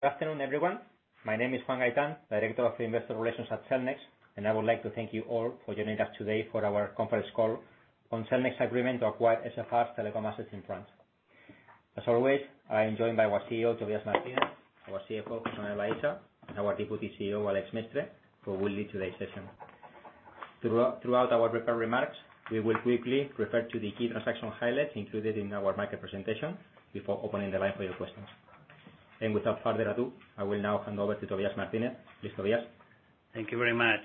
Good afternoon, everyone. My name is Juan Gaitán, Director of Investor Relations at Cellnex, and I would like to thank you all for joining us today for our conference call on Cellnex's agreement to acquire SFR's telecom assets in France. As always, I'm joined by our CEO, Tobias Martínez, our CFO, José Manuel Aisa, and our Deputy CEO, Alex Mestre, who will lead today's session. Throughout our prepared remarks, we will quickly refer to the key transaction highlights included in our market presentation before opening the line for your questions, and without further ado, I will now hand over to Tobias Martínez. Please, Tobias. Thank you very much,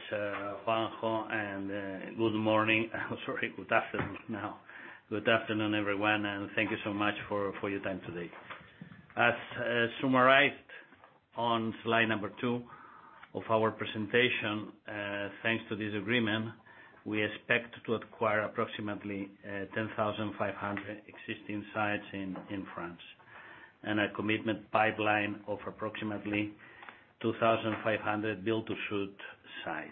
Juanjo, and good morning. I'm sorry, good afternoon now. Good afternoon, everyone, and thank you so much for your time today. As summarized on slide number two of our presentation, thanks to this agreement, we expect to acquire approximately 10,500 existing sites in France and a commitment pipeline of approximately 2,500 build-to-suit sites.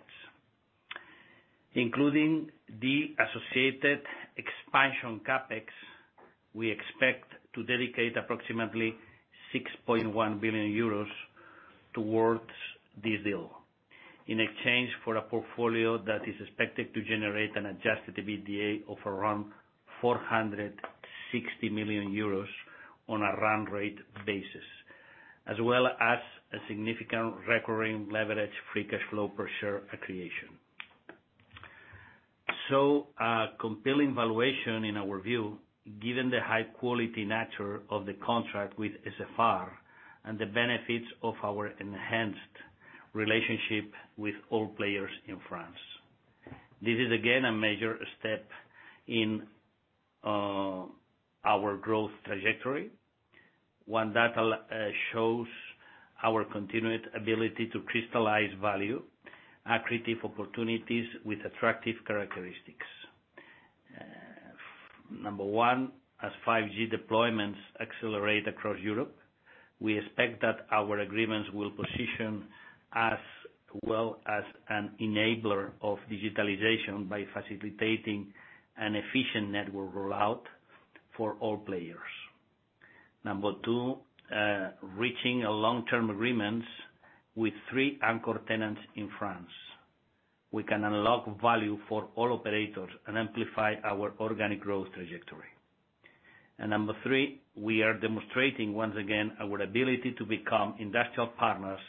Including the associated expansion CapEx, we expect to dedicate approximately 6.1 billion euros towards this deal in exchange for a portfolio that is expected to generate an Adjusted EBITDA of around 460 million euros on a run-rate basis, as well as a significant recurring levered free cash flow per share accretion. So, a compelling valuation in our view, given the high-quality nature of the contract with SFR and the benefits of our enhanced relationship with all players in France. This is, again, a major step in our growth trajectory, one that shows our continued ability to crystallize value, accretive opportunities with attractive characteristics. Number one, as 5G deployments accelerate across Europe, we expect that our agreements will position as well as an enabler of digitalization by facilitating an efficient network rollout for all players. Number two, reaching long-term agreements with three anchor tenants in France. We can unlock value for all operators and amplify our organic growth trajectory. And number three, we are demonstrating once again our ability to become industrial partners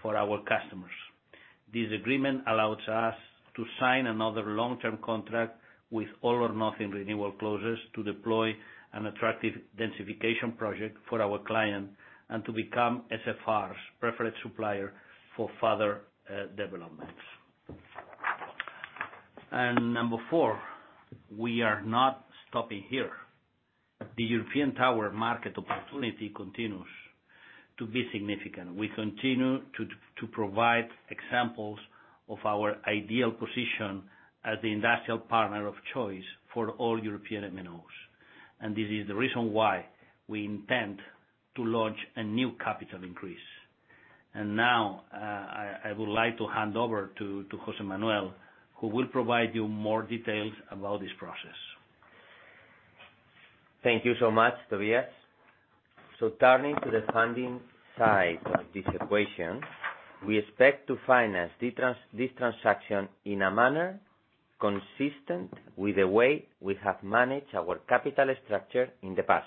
for our customers. This agreement allows us to sign another long-term contract with all-or-nothing renewal clauses to deploy an attractive densification project for our client and to become SFR's preferred supplier for further developments. And number four, we are not stopping here. The European tower market opportunity continues to be significant. We continue to provide examples of our ideal position as the industrial partner of choice for all European MNOs. This is the reason why we intend to launch a new capital increase. Now, I would like to hand over to José Manuel, who will provide you more details about this process. Thank you so much, Tobias. So turning to the funding side of this equation, we expect to finance this transaction in a manner consistent with the way we have managed our capital structure in the past,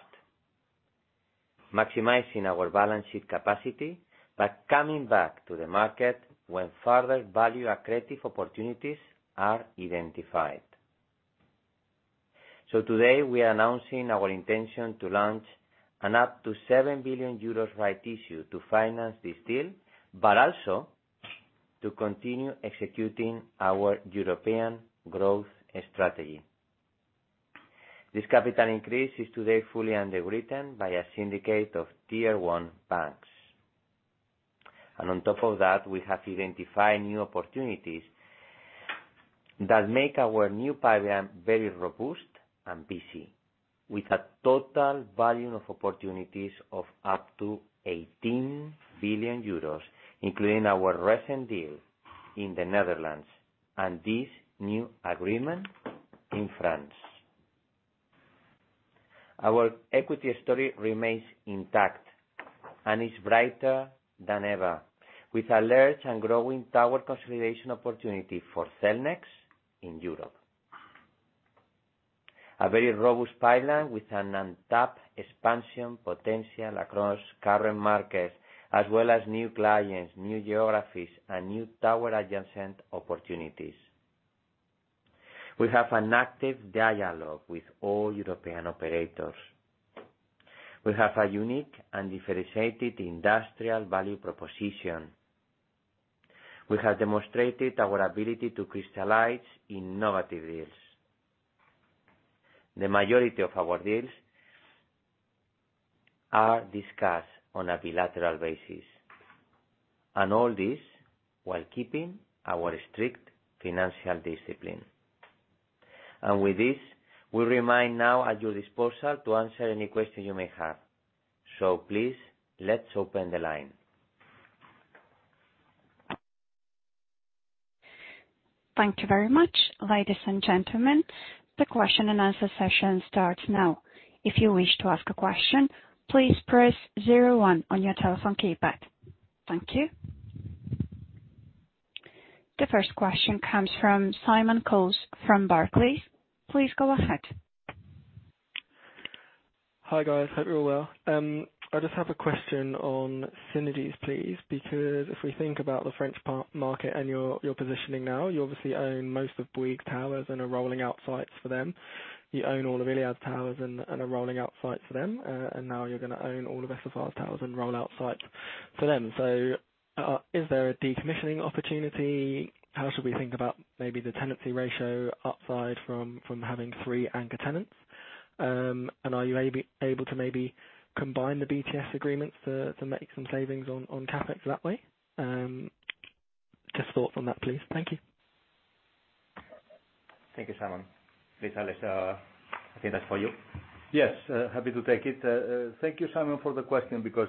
maximizing our balance sheet capacity by coming back to the market when further value-accretive opportunities are identified. So today, we are announcing our intention to launch an up to 7 billion euros rights issue to finance this deal, but also to continue executing our European growth strategy. This capital increase is today fully underwritten by a syndicate of tier-one banks. And on top of that, we have identified new opportunities that make our new pipeline very robust and busy, with a total volume of opportunities of up to 18 billion euros, including our recent deal in the Netherlands and this new agreement in France. Our equity story remains intact and is brighter than ever, with a large and growing tower consolidation opportunity for Cellnex in Europe. A very robust pipeline with an untapped expansion potential across current markets, as well as new clients, new geographies, and new tower adjacent opportunities. We have an active dialogue with all European operators. We have a unique and differentiated industrial value proposition. We have demonstrated our ability to crystallize innovative deals. The majority of our deals are discussed on a bilateral basis, and all this while keeping our strict financial discipline. With this, we are now at your disposal to answer any questions you may have. Please, let's open the line. Thank you very much, ladies and gentlemen. The question and answer session starts now. If you wish to ask a question, please press zero one on your telephone keypad. Thank you. The first question comes from Simon Coles from Barclays. Please go ahead. Hi, guys`. Hope you're all well. I just have a question on synergies, please, because if we think about the French market and your positioning now, you obviously own most of Bouygues Towers and are rolling out sites for them. You own all of Iliad Towers and are rolling out sites for them. And now you're going to own all of SFR's towers and roll out sites for them. So is there a decommissioning opportunity? How should we think about maybe the tenancy ratio upside from having three anchor tenants? And are you able to maybe combine the BTS agreements to make some savings on CapEx that way? Just thoughts on that, please. Thank you. Thank you, Simon. Please, Alex, I think that's for you. Yes, happy to take it. Thank you, Simon, for the question because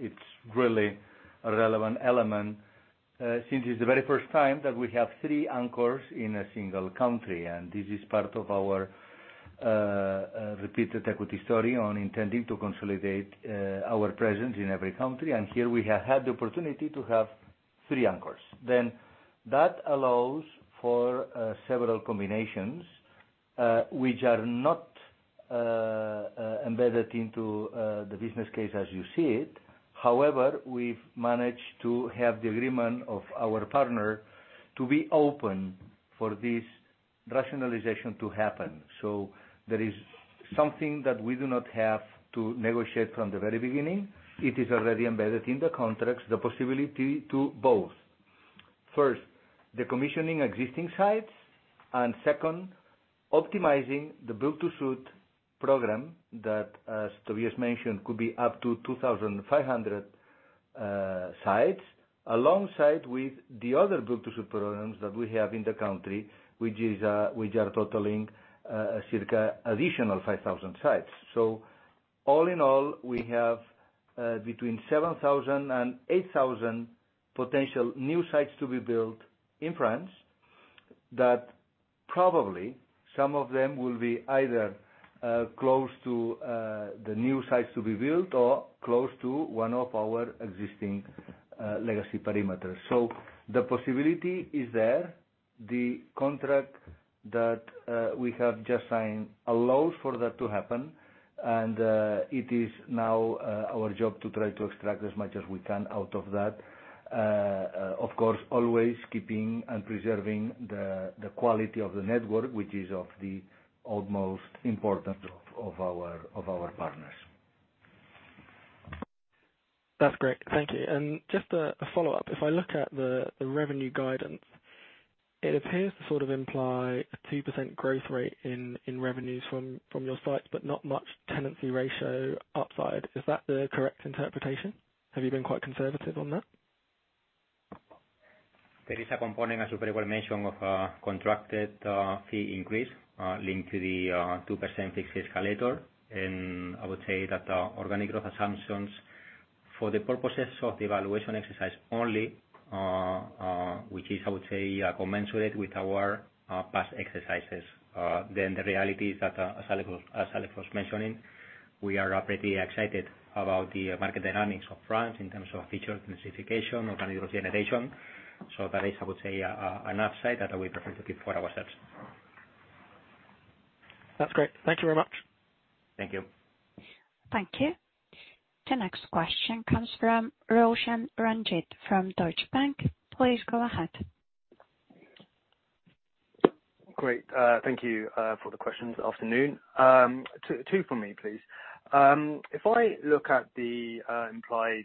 it's really a relevant element since it's the very first time that we have three anchors in a single country. And this is part of our repeated equity story on intending to consolidate our presence in every country. And here we have had the opportunity to have three anchors. Then that allows for several combinations which are not embedded into the business case as you see it. However, we've managed to have the agreement of our partner to be open for this rationalization to happen. So there is something that we do not have to negotiate from the very beginning. It is already embedded in the contracts, the possibility to both, first, decommissioning existing sites, and second, optimizing the build-to-suit program that, as Tobias mentioned, could be up to 2,500 sites alongside with the other build-to-suit programs that we have in the country, which are totaling circa additional 5,000 sites. So all in all, we have between 7,000 and 8,000 potential new sites to be built in France that probably some of them will be either close to the new sites to be built or close to one of our existing legacy perimeters. So the possibility is there. The contract that we have just signed allows for that to happen. And it is now our job to try to extract as much as we can out of that, of course, always keeping and preserving the quality of the network, which is of the utmost importance of our partners. That's great. Thank you. And just a follow-up. If I look at the revenue guidance, it appears to sort of imply a 2% growth rate in revenues from your sites, but not much tenancy ratio upside. Is that the correct interpretation? Have you been quite conservative on that? There is a component as you very well mentioned of a contracted fee increase linked to the 2% fixed escalator. And I would say that the organic growth assumptions for the purposes of the evaluation exercise only, which is, I would say, commensurate with our past exercises. Then the reality is that, as Alex was mentioning, we are pretty excited about the market dynamics of France in terms of future densification, organic growth generation. So that is, I would say, an upside that we prefer to keep for ourselves. That's great. Thank you very much. Thank you. Thank you. The next question comes from Roshan Ranjit from Deutsche Bank. Please go ahead. Great. Thank you for the questions. Afternoon. Two for me, please. If I look at the implied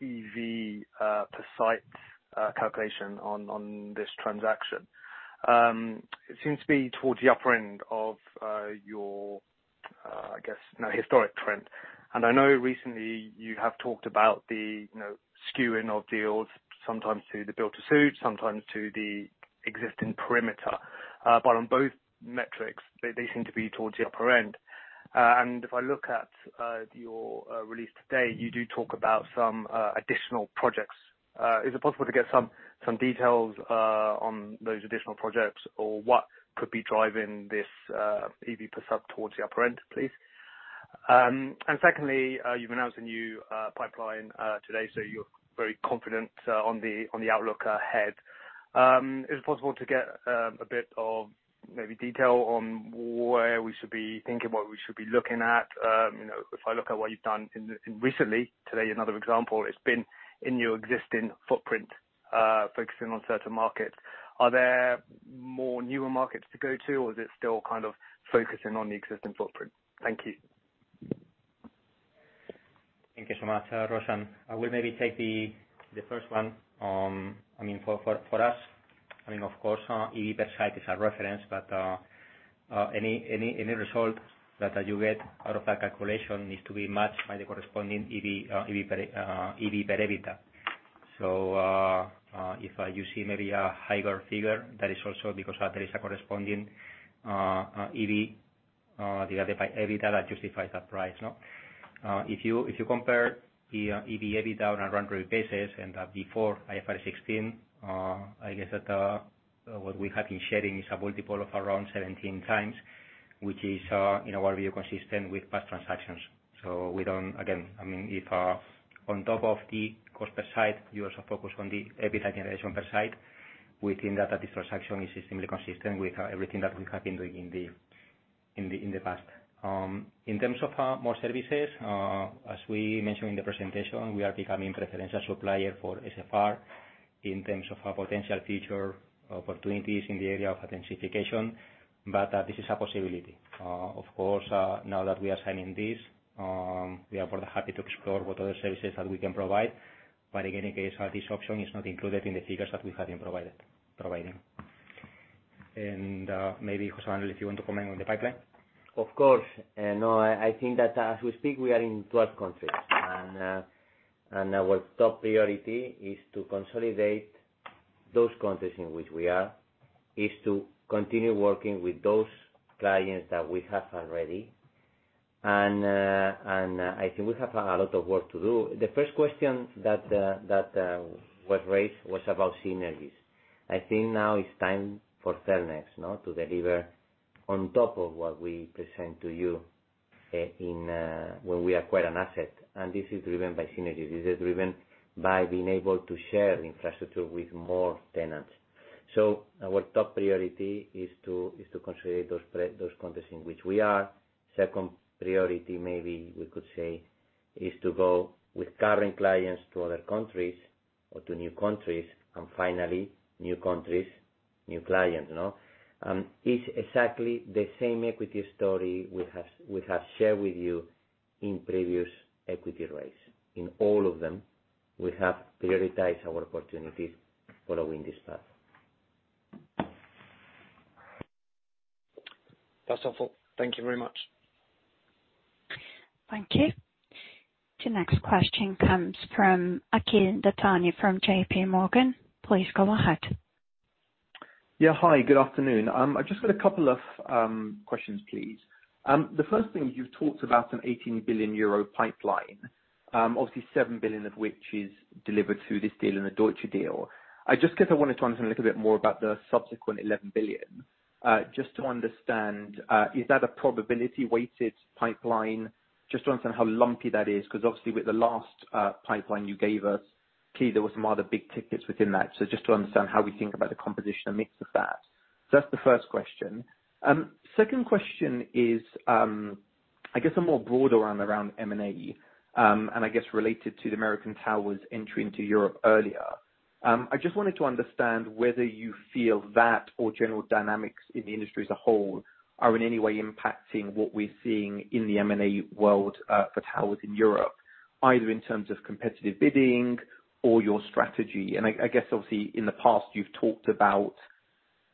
EV per site calculation on this transaction, it seems to be towards the upper end of your, I guess, historic trend. And I know recently you have talked about the skewing of deals, sometimes to the build-to-suit, sometimes to the existing perimeter. But on both metrics, they seem to be towards the upper end. And if I look at your release today, you do talk about some additional projects. Is it possible to get some details on those additional projects or what could be driving this EV per site towards the upper end, please? And secondly, you've announced a new pipeline today, so you're very confident on the outlook ahead. Is it possible to get a bit of maybe detail on where we should be thinking, what we should be looking at? If I look at what you've done recently, today, another example, it's been in your existing footprint, focusing on certain markets. Are there more newer markets to go to, or is it still kind of focusing on the existing footprint? Thank you. Thank you so much, Roshan. I will maybe take the first one. I mean, for us, I mean, of course, EV per site is a reference, but any result that you get out of that calculation needs to be matched by the corresponding EV per EBITDA. So if you see maybe a higher figure, that is also because there is a corresponding EV divided by EBITDA that justifies that price. If you compare EV/EBITDA on a run-rate basis and that before IFRS 16, I guess that what we have been sharing is a multiple of around 17x, which is, in our view, consistent with past transactions. So we don't, again, I mean, if on top of the cost per site, you also focus on the EBITDA generation per site, we think that this transaction is extremely consistent with everything that we have been doing in the past. In terms of more services, as we mentioned in the presentation, we are becoming a preferential supplier for SFR in terms of potential future opportunities in the area of densification, but this is a possibility. Of course, now that we are signing this, we are more than happy to explore what other services that we can provide, but in any case, this option is not included in the figures that we have been providing, and maybe, José, if you want to comment on the pipeline. Of course. No, I think that as we speak, we are in 12 countries, and our top priority is to consolidate those countries in which we are, is to continue working with those clients that we have already, and I think we have a lot of work to do. The first question that was raised was about synergies. I think now it's time for Cellnex to deliver on top of what we present to you when we acquire an asset, and this is driven by synergies. This is driven by being able to share infrastructure with more tenants, so our top priority is to consolidate those countries in which we are. Second priority, maybe we could say, is to go with current clients to other countries or to new countries, and finally, new countries, new clients. It's exactly the same equity story we have shared with you in previous equity raise. In all of them, we have prioritized our opportunities following this path. That's helpful. Thank you very much. Thank you. The next question comes from Akhil Dattani from JPMorgan. Please go ahead. Yeah. Hi. Good afternoon. I've just got a couple of questions, please. The first thing, you've talked about an 18 billion euro pipeline, obviously 7 billion of which is delivered through this deal and the Deutsche deal. I just guess I wanted to understand a little bit more about the subsequent 11 billion. Just to understand, is that a probability-weighted pipeline? Just to understand how lumpy that is, because obviously with the last pipeline you gave us, clearly there were some other big tickets within that. So just to understand how we think about the composition and mix of that. So that's the first question. Second question is, I guess, a more broader one around M&A and I guess related to the American Tower's entry into Europe earlier. I just wanted to understand whether you feel that or general dynamics in the industry as a whole are in any way impacting what we're seeing in the M&A world for towers in Europe, either in terms of competitive bidding or your strategy. And I guess, obviously, in the past, you've talked about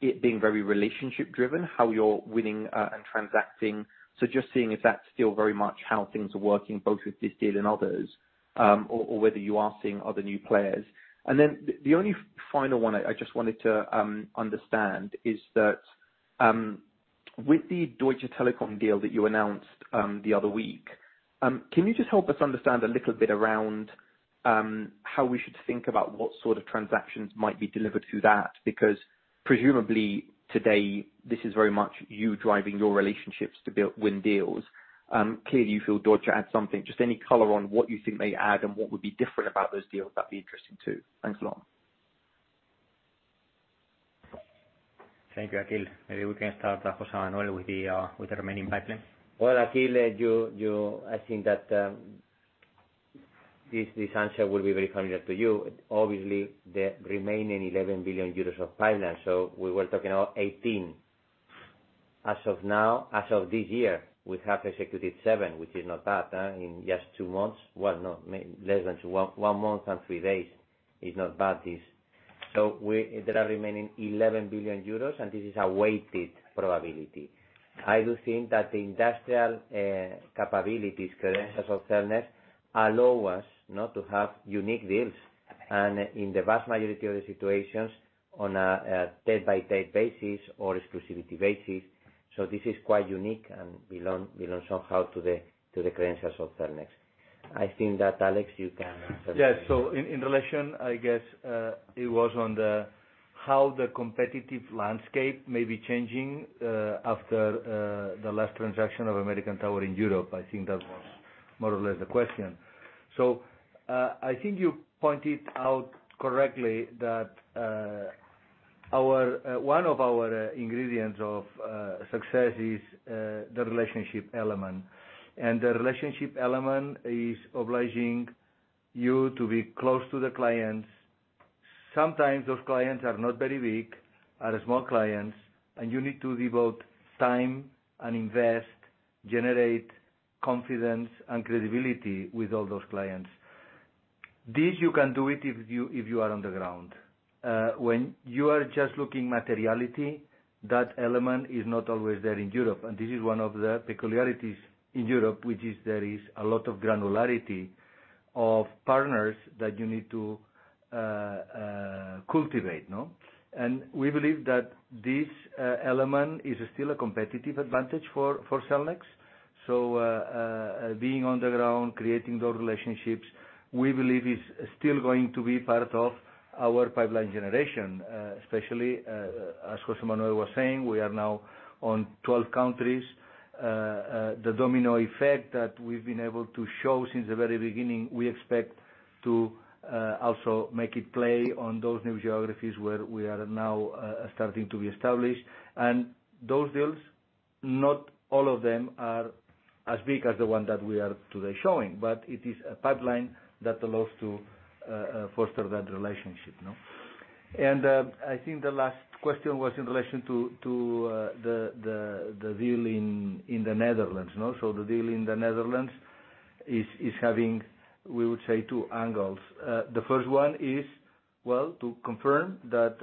it being very relationship-driven, how you're winning and transacting. So just seeing if that's still very much how things are working, both with this deal and others, or whether you are seeing other new players. And then the only final one I just wanted to understand is that with the Deutsche Telekom deal that you announced the other week, can you just help us understand a little bit around how we should think about what sort of transactions might be delivered through that? Because presumably today, this is very much you driving your relationships to win deals. Clearly, you feel Deutsche adds something. Just any color on what you think they add and what would be different about those deals, that'd be interesting too. Thanks a lot. Thank you, Akhil. Maybe we can start, José, with the remaining pipeline. Well, Akhil, I think that this answer will be very familiar to you. Obviously, the remaining 11 billion euros of pipeline. So we were talking about 18. As of now, as of this year, we have executed seven, which is not bad. In just two months, well, no, less than two months, one month and three days is not bad this. So there are remaining 11 billion euros, and this is a weighted probability. I do think that the industrial capabilities, credentials of Cellnex allow us to have unique deals and in the vast majority of the situations on a site-by-site basis or exclusivity basis. So this is quite unique and belongs somehow to the credentials of Cellnex. I think that, Alex, you can answer that. Yeah. So in relation, I guess it was on how the competitive landscape may be changing after the last transaction of American Tower in Europe. I think that was more or less the question. So I think you pointed out correctly that one of our ingredients of success is the relationship element. And the relationship element is obliging you to be close to the clients. Sometimes those clients are not very big, are small clients, and you need to devote time and invest, generate confidence and credibility with all those clients. This you can do it if you are on the ground. When you are just looking materiality, that element is not always there in Europe. And this is one of the peculiarities in Europe, which is there is a lot of granularity of partners that you need to cultivate. We believe that this element is still a competitive advantage for Cellnex. Being on the ground, creating those relationships, we believe is still going to be part of our pipeline generation, especially as José Manuel was saying, we are now on 12 countries. The domino effect that we've been able to show since the very beginning, we expect to also make it play on those new geographies where we are now starting to be established. Those deals, not all of them are as big as the one that we are today showing, but it is a pipeline that allows to foster that relationship. I think the last question was in relation to the deal in the Netherlands. The deal in the Netherlands is having, we would say, two angles. The first one is, well, to confirm that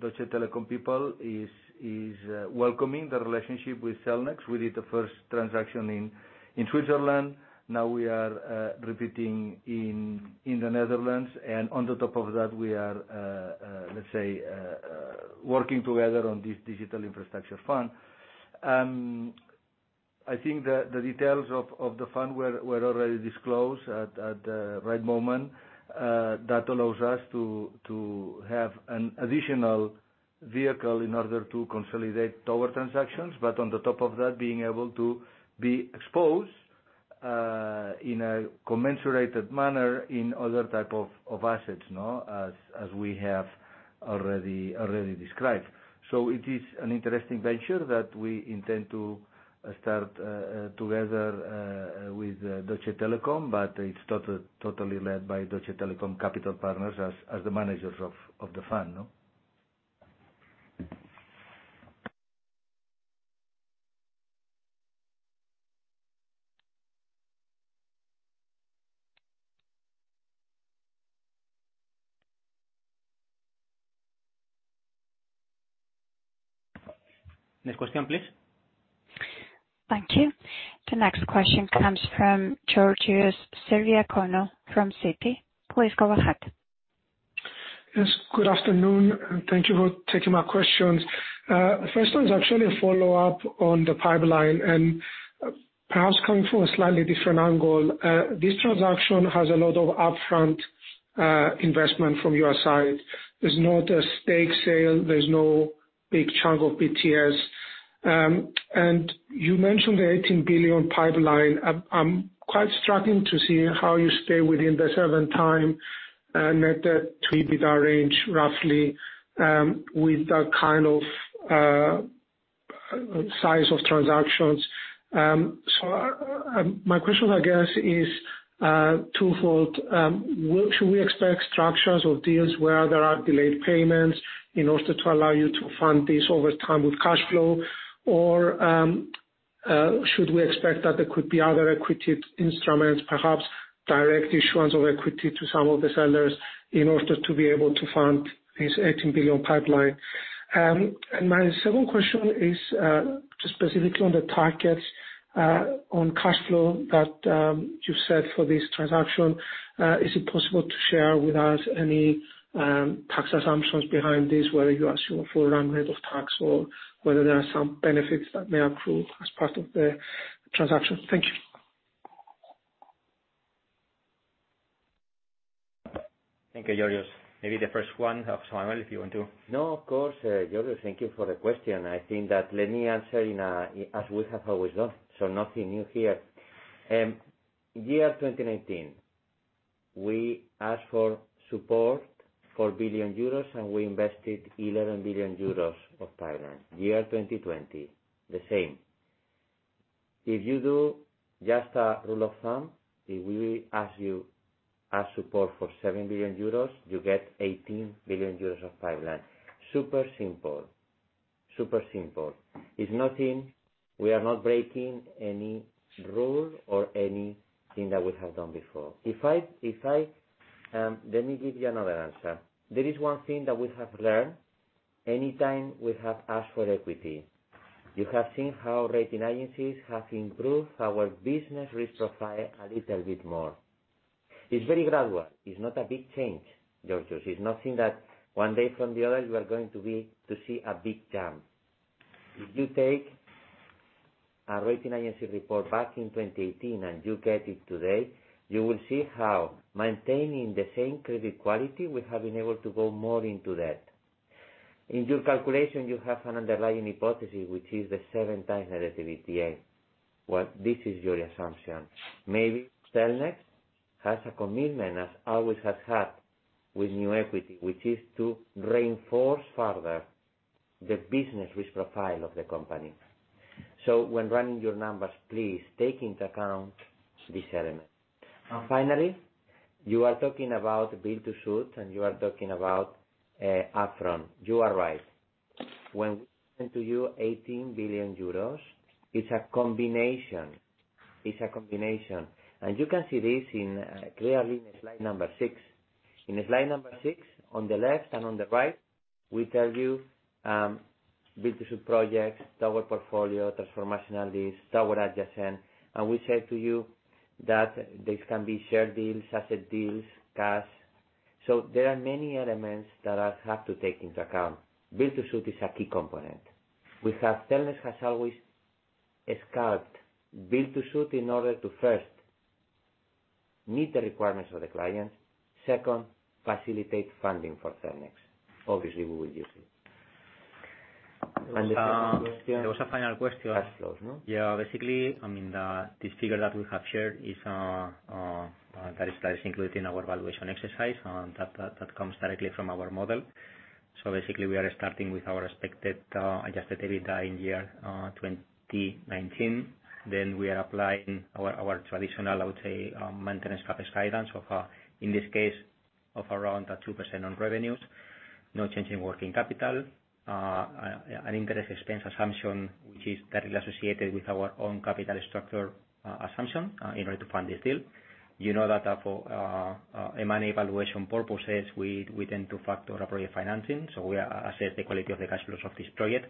Deutsche Telekom people is welcoming the relationship with Cellnex. We did the first transaction in Switzerland. Now we are repeating in the Netherlands. And on top of that, we are, let's say, working together on this digital infrastructure fund. I think the details of the fund were already disclosed at the right moment. That allows us to have an additional vehicle in order to consolidate tower transactions, but on top of that, being able to be exposed in a commensurate manner in other types of assets, as we have already described. So it is an interesting venture that we intend to start together with Deutsche Telekom, but it's totally led by Deutsche Telekom Capital Partners as the managers of the fund. Next question, please. Thank you. The next question comes from Georgios Ierodiaconou from Citi. Please go ahead. Yes. Good afternoon. Thank you for taking my questions. The first one is actually a follow-up on the pipeline. And perhaps coming from a slightly different angle, this transaction has a lot of upfront investment from your side. There's not a stake sale. There's no big chunk of BTS. And you mentioned the 18 billion pipeline. It's quite striking to see how you stay within the seven times net debt to EBITDA range, roughly, with that kind of size of transactions. So my question, I guess, is twofold. Should we expect structures of deals where there are delayed payments in order to allow you to fund this over time with cash flow? Or should we expect that there could be other equity instruments, perhaps direct issuance of equity to some of the sellers in order to be able to fund this 18 billion pipeline? My second question is just specifically on the targets on cash flow that you've set for this transaction. Is it possible to share with us any tax assumptions behind this, whether you assume a full rate of tax or whether there are some benefits that may accrue as part of the transaction? Thank you. Thank you, Georgios. Maybe the first one, José Manuel, if you want to. No, of course. Georgios, thank you for the question. I think that, let me answer as we have always done. So nothing new here. Year 2019, we asked for support for 1 billion euros, and we invested 11 billion euros of pipeline. Year 2020, the same. If you do just a rule of thumb, if we ask for support for 7 billion euros, you get 18 billion euros of pipeline. Super simple. Super simple. It's nothing. We are not breaking any rule or anything that we have done before. Let me give you another answer. There is one thing that we have learned. Anytime we have asked for equity, you have seen how rating agencies have improved our business risk profile a little bit more. It's very gradual. It's not a big change, Georgios. It's nothing that one day from the other, you are going to see a big jump. If you take a rating agency report back in 2018 and you get it today, you will see how maintaining the same credit quality, we have been able to go more into that. In your calculation, you have an underlying hypothesis, which is the seven-time negative EBITDA. Well, this is your assumption. Maybe Cellnex has a commitment, as always has had, with new equity, which is to reinforce further the business risk profile of the company. So when running your numbers, please take into account this element. Finally, you are talking about build-to-suit, and you are talking about upfront. You are right. When we present to you 18 billion euros, it's a combination. It's a combination. And you can see this clearly in slide number six. In slide number six, on the left and on the right, we tell you build-to-suit projects, tower portfolio, transformational assets, tower adjacent. We say to you that these can be shared deals, asset deals, cash. So there are many elements that have to take into account. Build-to-suit is a key component. Cellnex has always scaled build-to-suit in order to first meet the requirements of the client, second, facilitate funding for Cellnex. Obviously, we will use it. That was a final question. Yeah. Basically, I mean, this figure that we have shared is included in our evaluation exercise. That comes directly from our model. Basically, we are starting with our expected adjusted EBITDA in year 2019. Then we are applying our traditional, I would say, maintenance CapEx guidance, in this case, of around 2% on revenues, no change in working capital, an interest expense assumption, which is directly associated with our own capital structure assumption in order to fund this deal. You know that for M&A evaluation purposes, we tend to factor appropriate financing. So we assess the quality of the cash flows of this project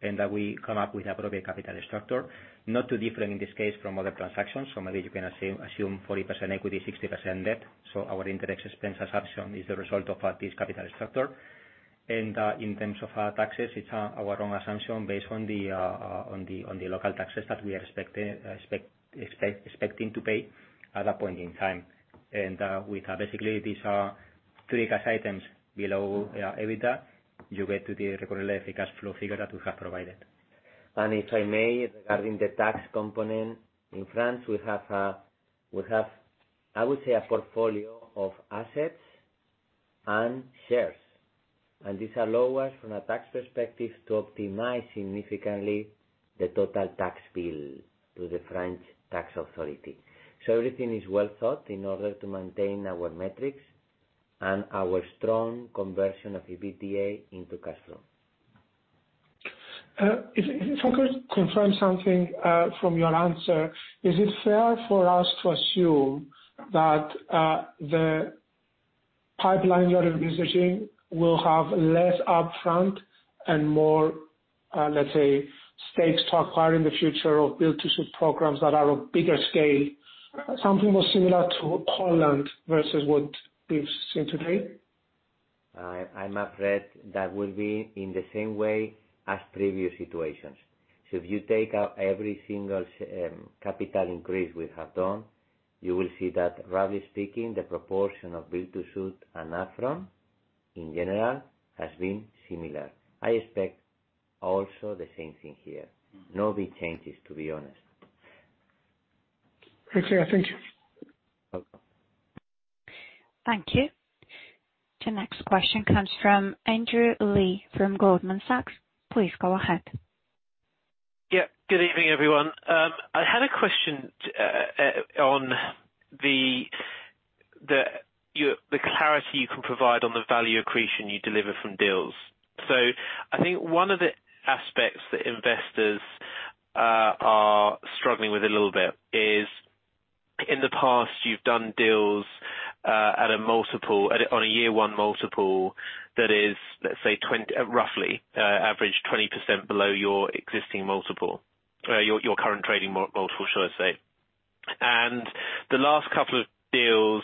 and that we come up with appropriate capital structure, not too different in this case from other transactions. So maybe you can assume 40% equity, 60% debt. So our interest expense assumption is the result of this capital structure. And in terms of taxes, it's our own assumption based on the local taxes that we are expecting to pay at that point in time. With basically these three cash items below EBITDA, you get to the recurrent cash flow figure that we have provided. If I may, regarding the tax component, in France, we have, I would say, a portfolio of assets and shares. These allow us, from a tax perspective, to optimize significantly the total tax bill to the French tax authority. Everything is well thought in order to maintain our metrics and our strong conversion of EBITDA into cash flow. If I could confirm something from your answer, is it fair for us to assume that the pipeline you are envisaging will have less upfront and more, let's say, stakes to acquire in the future of build-to-suit programs that are of bigger scale, something more similar to Holland versus what we've seen today? I'm afraid that will be in the same way as previous situations. So if you take out every single capital increase we have done, you will see that, roughly speaking, the proportion of build-to-suit and upfront in general has been similar. I expect also the same thing here. No big changes, to be honest. Okay. Thank you. Thank you. The next question comes from Andrew Lee from Goldman Sachs. Please go ahead. Yeah. Good evening, everyone. I had a question on the clarity you can provide on the value accretion you deliver from deals. So I think one of the aspects that investors are struggling with a little bit is, in the past, you've done deals at a multiple on a year-one multiple that is, let's say, roughly average 20% below your existing multiple, your current trading multiple, should I say. And the last couple of deals,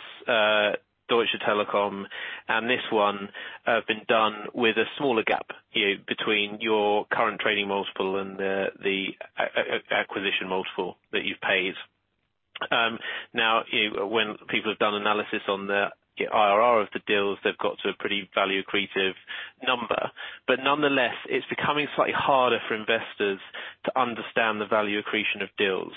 Deutsche Telekom and this one, have been done with a smaller gap between your current trading multiple and the acquisition multiple that you've paid. Now, when people have done analysis on the IRR of the deals, they've got to a pretty value accretive number. But nonetheless, it's becoming slightly harder for investors to understand the value accretion of deals.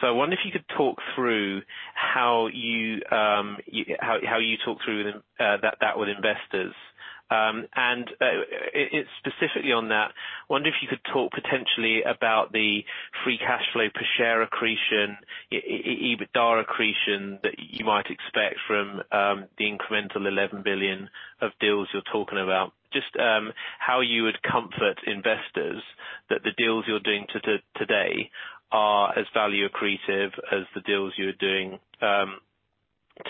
So I wonder if you could talk through how you talk through that with investors. And specifically on that, I wonder if you could talk potentially about the free cash flow per share accretion, EBITDA accretion that you might expect from the incremental 11 billion of deals you're talking about. Just how you would comfort investors that the deals you're doing today are as value accretive as the deals you were doing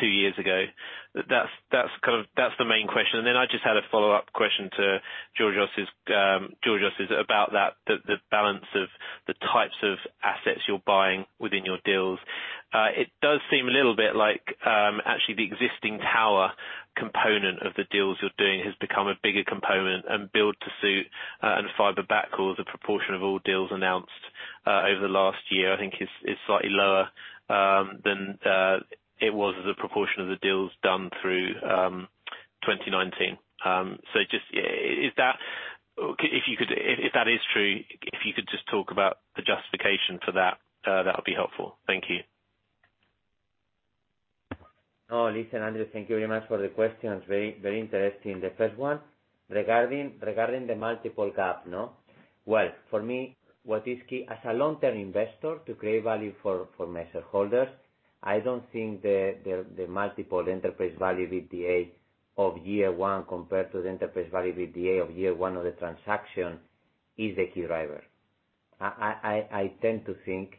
two years ago. That's the main question. And then I just had a follow-up question to Georgios about that, the balance of the types of assets you're buying within your deals. It does seem a little bit like actually the existing tower component of the deals you're doing has become a bigger component. And build-to-suit and fiber backhauls, the proportion of all deals announced over the last year, I think, is slightly lower than it was the proportion of the deals done through 2019. So just if that is true, if you could just talk about the justification for that, that would be helpful. Thank you. Oh, listen, Andrew, thank you very much for the questions. Very interesting. The first one regarding the multiple gap. Well, for me, what is key as a long-term investor to create value for major holders, I don't think the multiple enterprise value EBITDA of year one compared to the enterprise value EBITDA of year one of the transaction is the key driver. I tend to think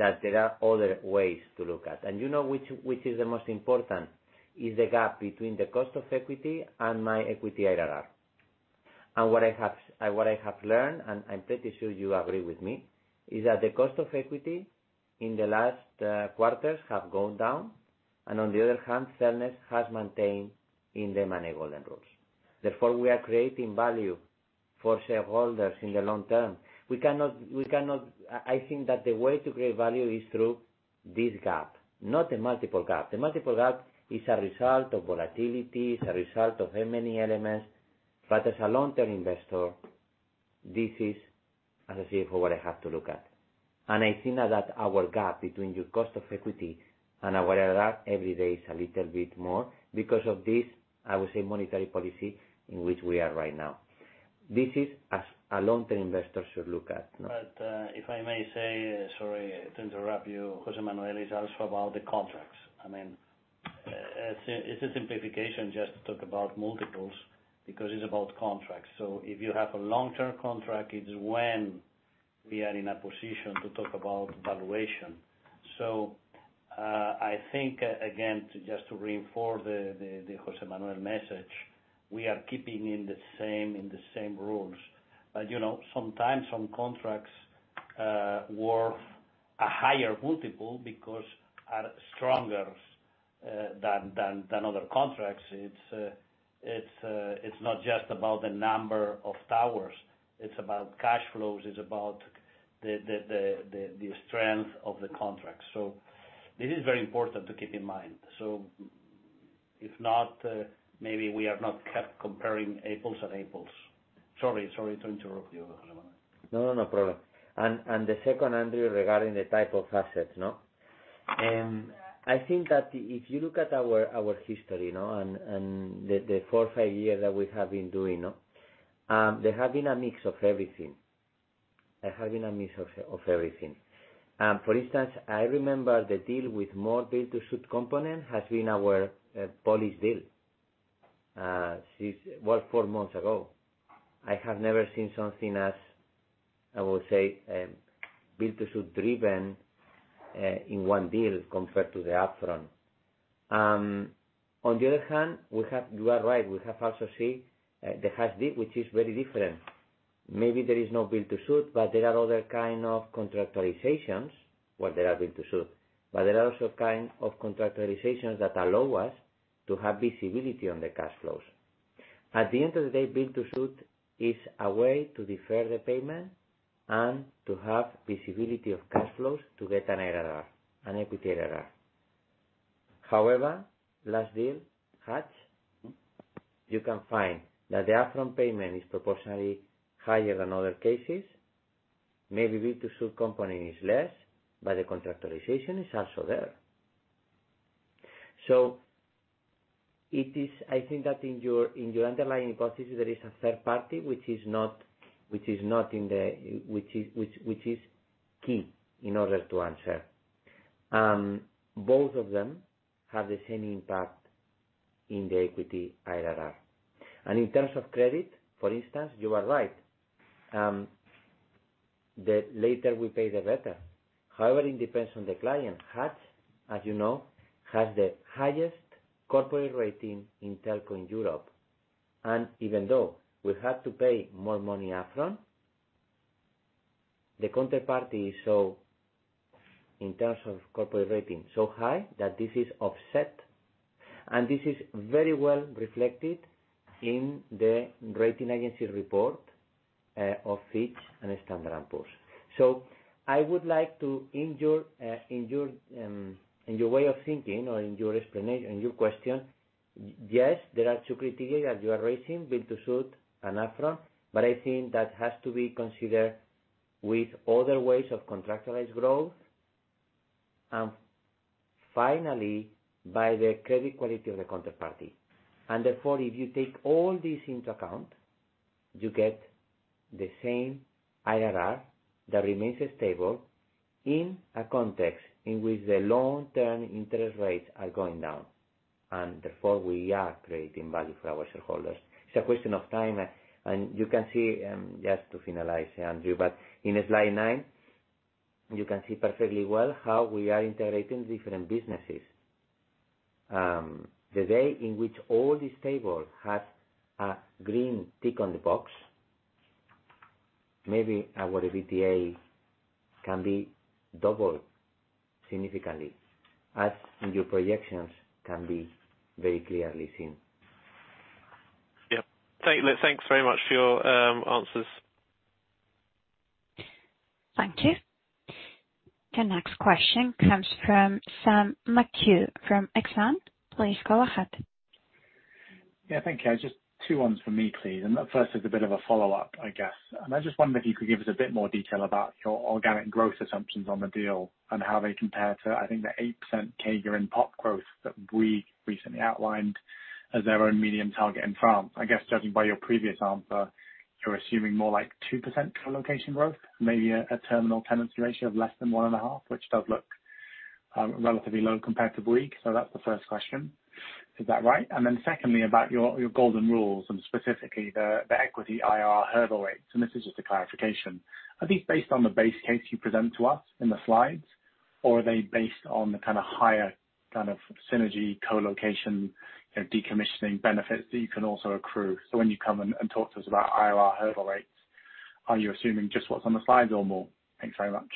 that there are other ways to look at, and you know which is the most important? It's the gap between the cost of equity and my equity IRR. And what I have learned, and I'm pretty sure you agree with me, is that the cost of equity in the last quarters have gone down. And on the other hand, Cellnex has maintained in the M&A golden rules. Therefore, we are creating value for shareholders in the long term. I think that the way to create value is through this gap, not the multiple gap. The multiple gap is a result of volatility, is a result of many elements. But as a long-term investor, this is, as I said, what I have to look at. And I think that our gap between your cost of equity and our IRR every day is a little bit more because of this, I would say, monetary policy in which we are right now. This is a long-term investor should look at. But if I may say, sorry to interrupt you, José Manuel is also about the contracts. I mean, it's a simplification just to talk about multiples because it's about contracts. So if you have a long-term contract, it's when we are in a position to talk about valuation. So I think, again, just to reinforce the José Manuel message, we are keeping in the same rules. But sometimes some contracts are worth a higher multiple because they are stronger than other contracts. It's not just about the number of towers. It's about cash flows. It's about the strength of the contracts. So this is very important to keep in mind. So if not, maybe we are not comparing apples and apples. Sorry to interrupt you, José Manuel. No, no problem, and the second, Andrew, regarding the type of assets. I think that if you look at our history and the four, five years that we have been doing, there has been a mix of everything. There has been a mix of everything. For instance, I remember the deal with more build-to-suit component has been our Polish deal, well, four months ago. I have never seen something as, I would say, build-to-suit driven in one deal compared to the upfront. On the other hand, you are right. We have also seen the Hutch deal, which is very different. Maybe there is no build-to-suit, but there are other kinds of contractualizations, well, there are build-to-suit, but there are also kinds of contractualizations that allow us to have visibility on the cash flows. At the end of the day, build-to-suit is a way to defer the payment and to have visibility of cash flows to get an equity IRR. However, last deal, Hutch, you can find that the upfront payment is proportionately higher than other cases. Maybe build-to-suit component is less, but the contractualization is also there. So I think that in your underlying hypothesis, there is a third party which is not in the, which is key in order to answer. Both of them have the same impact in the equity IRR, and in terms of credit, for instance, you are right. The later we pay, the better. However, it depends on the client. Hutch, as you know, has the highest corporate rating in telco in Europe, and even though we have to pay more money upfront, the counterparty is, in terms of corporate rating, so high that this is offset. This is very well reflected in the rating agency report of Fitch and Standard & Poor's. So I would like to, in your way of thinking or in your question, yes, there are two criteria that you are raising, build-to-suit and upfront, but I think that has to be considered with other ways of contractualized growth and finally by the credit quality of the counterparty. And therefore, if you take all this into account, you get the same IRR that remains stable in a context in which the long-term interest rates are going down. And therefore, we are creating value for our shareholders. It's a question of time. And you can see, just to finalize, Andrew, but in slide nine, you can see perfectly well how we are integrating different businesses. The day in which all is stable has a green tick on the box. Maybe our EBITDA can be doubled significantly, as in your projections can be very clearly seen. Yeah. Thanks very much for your answers. Thank you. The next question comes from Sam McHugh from Exane. Please go ahead. Yeah. Thank you. Just two questions for me, please. And the first is a bit of a follow-up, I guess. And I just wondered if you could give us a bit more detail about your organic growth assumptions on the deal and how they compare to, I think, the 8% CAGR in PoP growth that we recently outlined as their own medium target in France. I guess judging by your previous answer, you're assuming more like 2% colocation growth, maybe a terminal tenancy ratio of less than one and a half, which does look relatively low compared to Bouygues. So that's the first question. Is that right? And then secondly, about your golden rules and specifically the equity IRR hurdle rates. And this is just a clarification. Are these based on the base case you present to us in the slides, or are they based on the kind of higher kind of synergy colocation decommissioning benefits that you can also accrue? So when you come and talk to us about IRR hurdle rates, are you assuming just what's on the slides or more? Thanks very much.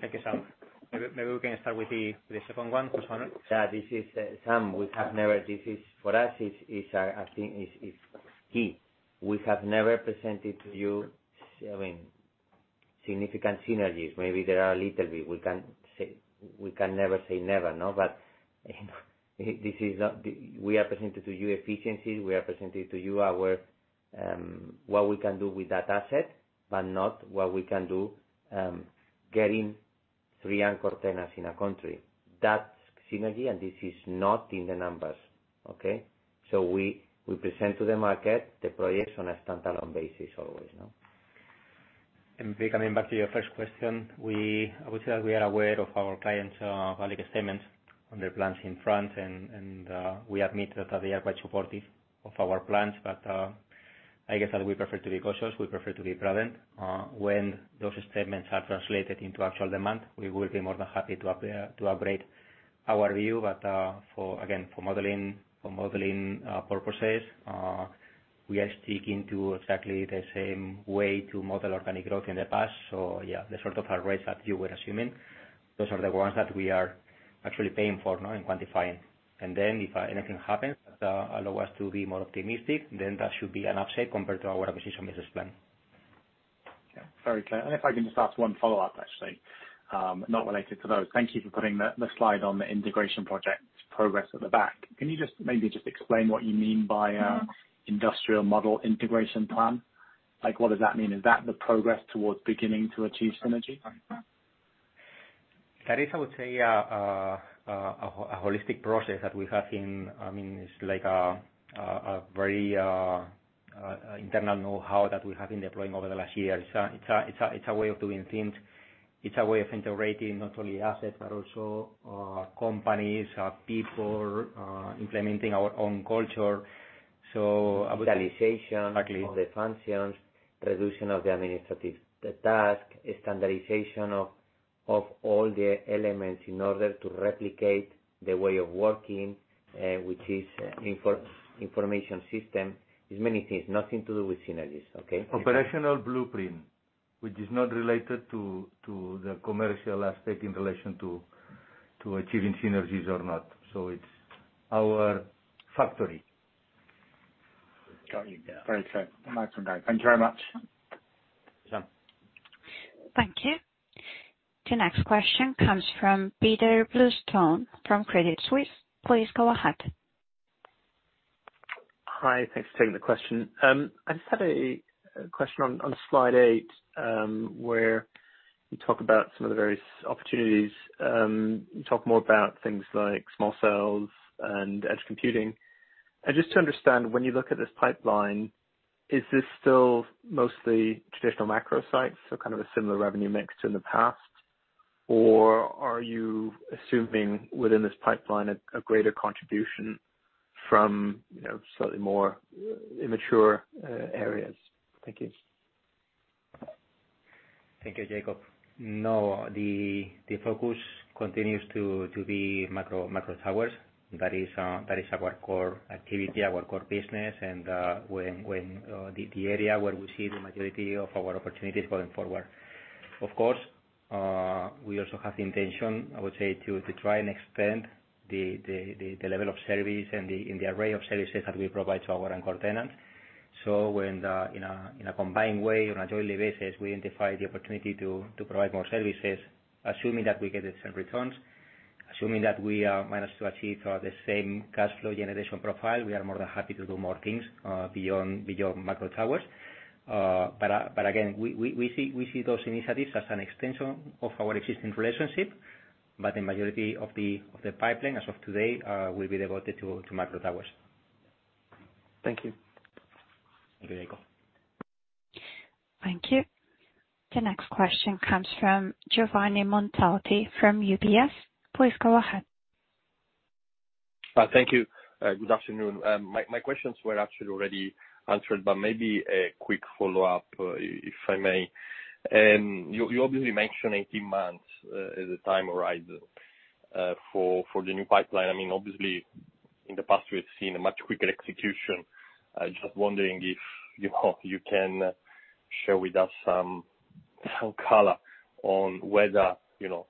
Thank you, Sam. Maybe we can start with the second one, Juanjo. Yeah. This is Sam. This is for us, I think it's key. We have never presented to you, I mean, significant synergies. Maybe there are a little bit. We can never say never, but this is not we are presenting to you efficiencies. We are presenting to you what we can do with that asset, but not what we can do getting three anchor tenants in a country. That synergy, and this is not in the numbers, okay? So we present to the market the projects on a standalone basis always. And maybe coming back to your first question, I would say that we are aware of our clients' public statements on their plans in France, and we admit that they are quite supportive of our plans. But I guess that we prefer to be cautious. We prefer to be prudent. When those statements are translated into actual demand, we will be more than happy to upgrade our view. But again, for modeling purposes, we are sticking to exactly the same way to model organic growth in the past. So yeah, the sort of rates that you were assuming, those are the ones that we are actually paying for and quantifying. And then if anything happens that allow us to be more optimistic, then that should be an upside compared to our acquisition business plan. Sorry, Tim, and if I can just ask one follow-up, actually, not related to those. Thank you for putting the slide on the integration project progress at the back. Can you just maybe explain what you mean by Industrial Model integration plan? What does that mean? Is that the progress towards beginning to achieve synergy? That is, I would say, a holistic process that we have seen. I mean, it's like a very internal know-how that we have been deploying over the last years. It's a way of doing things. It's a way of integrating not only assets, but also companies, people, implementing our own culture. So I would. Digitalization of the functions, reduction of the administrative task, standardization of all the elements in order to replicate the way of working, which is information systems. It's many things, nothing to do with synergies, okay? Operational blueprint, which is not related to the commercial aspect in relation to achieving synergies or not. So it's our factory. Very good. Thank you very much. Sam. Thank you. The next question comes from Jakob Bluestone from Credit Suisse. Please go ahead. Hi. Thanks for taking the question. I just had a question on slide eight where you talk about some of the various opportunities. You talk more about things like small cells and edge computing. And just to understand, when you look at this pipeline, is this still mostly traditional macro sites, so kind of a similar revenue mix to in the past? Or are you assuming within this pipeline a greater contribution from slightly more immature areas? Thank you. Thank you, Jakob. No, the focus continues to be macro towers. That is our core activity, our core business, and the area where we see the majority of our opportunities going forward. Of course, we also have the intention, I would say, to try and extend the level of service and the array of services that we provide to our anchor tenants. So in a combined way, on a joint basis, we identify the opportunity to provide more services, assuming that we get the same returns, assuming that we manage to achieve the same cash flow generation profile, we are more than happy to do more things beyond macro towers. But again, we see those initiatives as an extension of our existing relationship, but the majority of the pipeline as of today will be devoted to macro towers. Thank you. Thank you, Jakob. Thank you. The next question comes from Giovanni Montalti from UBS. Please go ahead. Thank you. Good afternoon. My questions were actually already answered, but maybe a quick follow-up, if I may. You obviously mentioned 18 months as the time horizon for the new pipeline. I mean, obviously, in the past, we've seen a much quicker execution. Just wondering if you can share with us some color on whether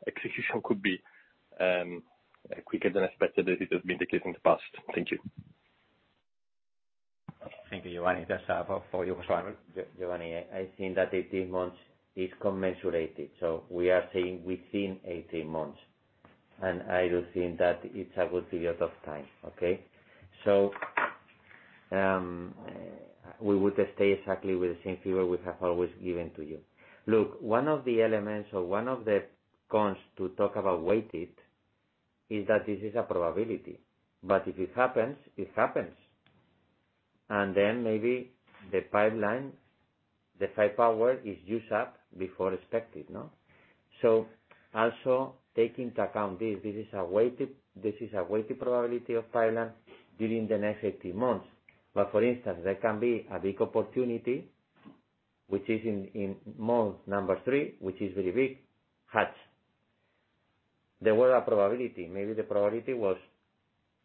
execution could be quicker than expected as it has been the case in the past? Thank you. Thank you, Giovanni. Thanks for your time. Giovanni, I think that 18 months is commensurate. So we are saying within 18 months. And I do think that it's a good period of time, okay? So we would stay exactly with the same figure we have always given to you. Look, one of the elements or one of the cons to talk about weighted is that this is a probability. But if it happens, it happens. And then maybe the pipeline, the firepower is used up before expected. So also taking into account this, this is a weighted probability of pipeline during the next 18 months. But for instance, there can be a big opportunity, which is in mode number three, which is very big, Hutch. There was a probability. Maybe the probability was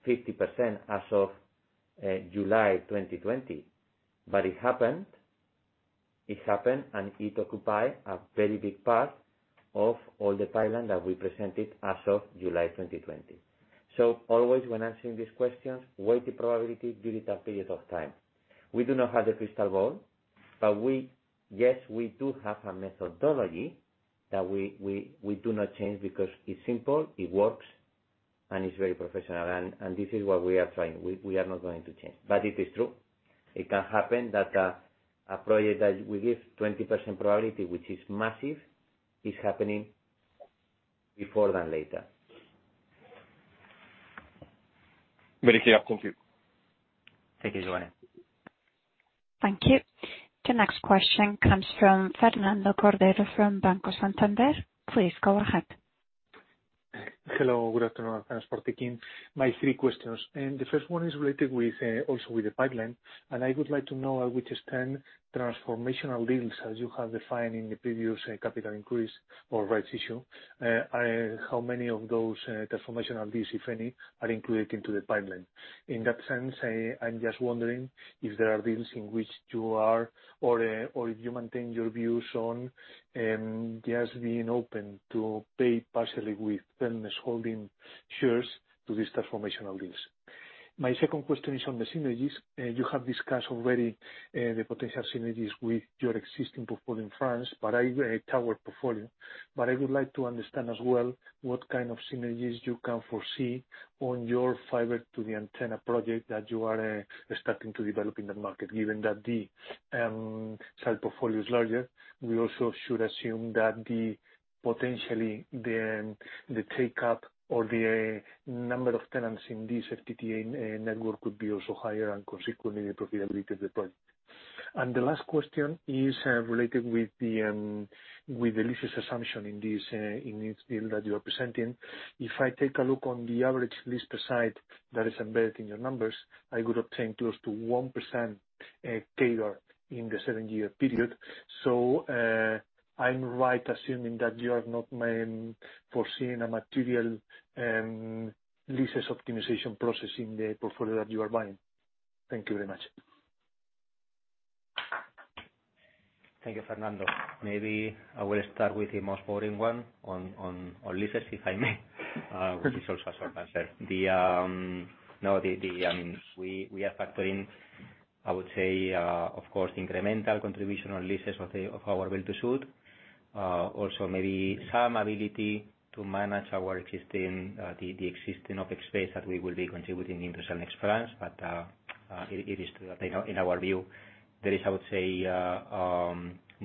50% as of July 2020, but it happened. It happened, and it occupied a very big part of all the pipeline that we presented as of July 2020. So always when answering these questions, weighted probability during that period of time. We do not have the crystal ball, but yes, we do have a methodology that we do not change because it's simple, it works, and it's very professional. And this is what we are trying. We are not going to change. But it is true. It can happen that a project that we give 20% probability, which is massive, is happening before than later. Very clear. Thank you. Thank you, Giovanni. Thank you. The next question comes from Fernando Cordero from Banco Santander. Please go ahead. Hello. Good afternoon, Cellnex Telecom. My three questions and the first one is related also with the pipeline. And I would like to know to what extent transformational deals, as you have defined in the previous capital increase or rights issue, how many of those transformational deals, if any, are included in the pipeline. In that sense, I'm just wondering if there are deals in which you are or if you maintain your views on just being open to pay partially with business holding shares to these transformational deals. My second question is on the synergies. You have discussed already the potential synergies with your existing portfolio in France, but in your tower portfolio. I would like to understand as well what kind of synergies you can foresee on your fiber to the antenna project that you are starting to develop in the market, given that the site portfolio is larger. We also should assume that potentially the take-up or the number of tenants in this FTTA network would be also higher and consequently the profitability of the project. The last question is related with the leases assumption in this deal that you are presenting. If I take a look on the average lease per site that is embedded in your numbers, I would obtain close to 1% CAGR in the seven-year period. So I'm right assuming that you are not foreseeing a material leases optimization process in the portfolio that you are buying. Thank you very much. Thank you, Fernando. Maybe I will start with the most boring one on leases, if I may, which is also a short answer. No, I mean, we are factoring, I would say, of course, incremental contribution on leases of our Build-to-Suit. Also, maybe some ability to manage the existing office space that we will be contributing into Cellnex France. But it is true that in our view, there is, I would say,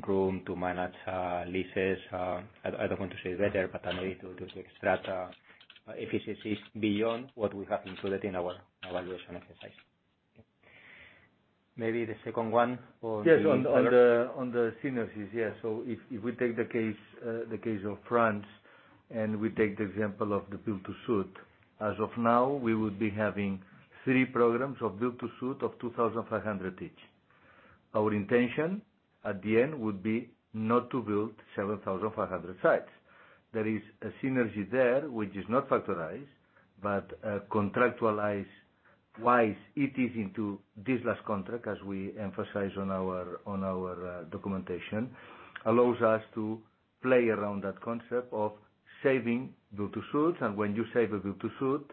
room to manage leases. I don't want to say better, but I know it to extract efficiencies beyond what we have included in our evaluation exercise. Maybe the second one or. Yes, on the synergies, yes. So if we take the case of France and we take the example of the build-to-suit, as of now, we would be having three programs of build-to-suit of 2,500 each. Our intention at the end would be not to build 7,500 sites. There is a synergy there which is not factorized, but contractualized-wise, it is into this last contract, as we emphasize on our documentation, allows us to play around that concept of saving build-to-suits. And when you save a build-to-suit,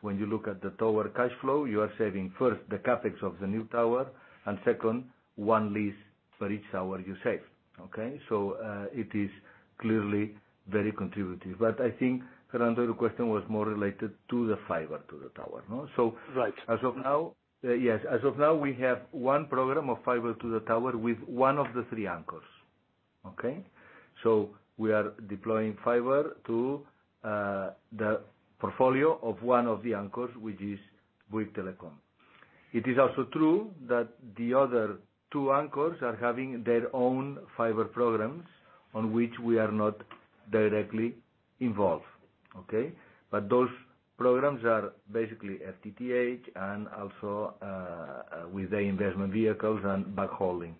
when you look at the tower cash flow, you are saving first the CapEx of the new tower and second, one lease per each tower you save. Okay? So it is clearly very contributing. But I think, Fernando, your question was more related to the fiber to the tower. So as of now, yes, as of now, we have one program of fiber to the tower with one of the three anchors. Okay? So we are deploying fiber to the portfolio of one of the anchors, which is Bouygues Telecom. It is also true that the other two anchors are having their own fiber programs on which we are not directly involved. Okay? But those programs are basically FTTH and also with the investment vehicles and backhauling.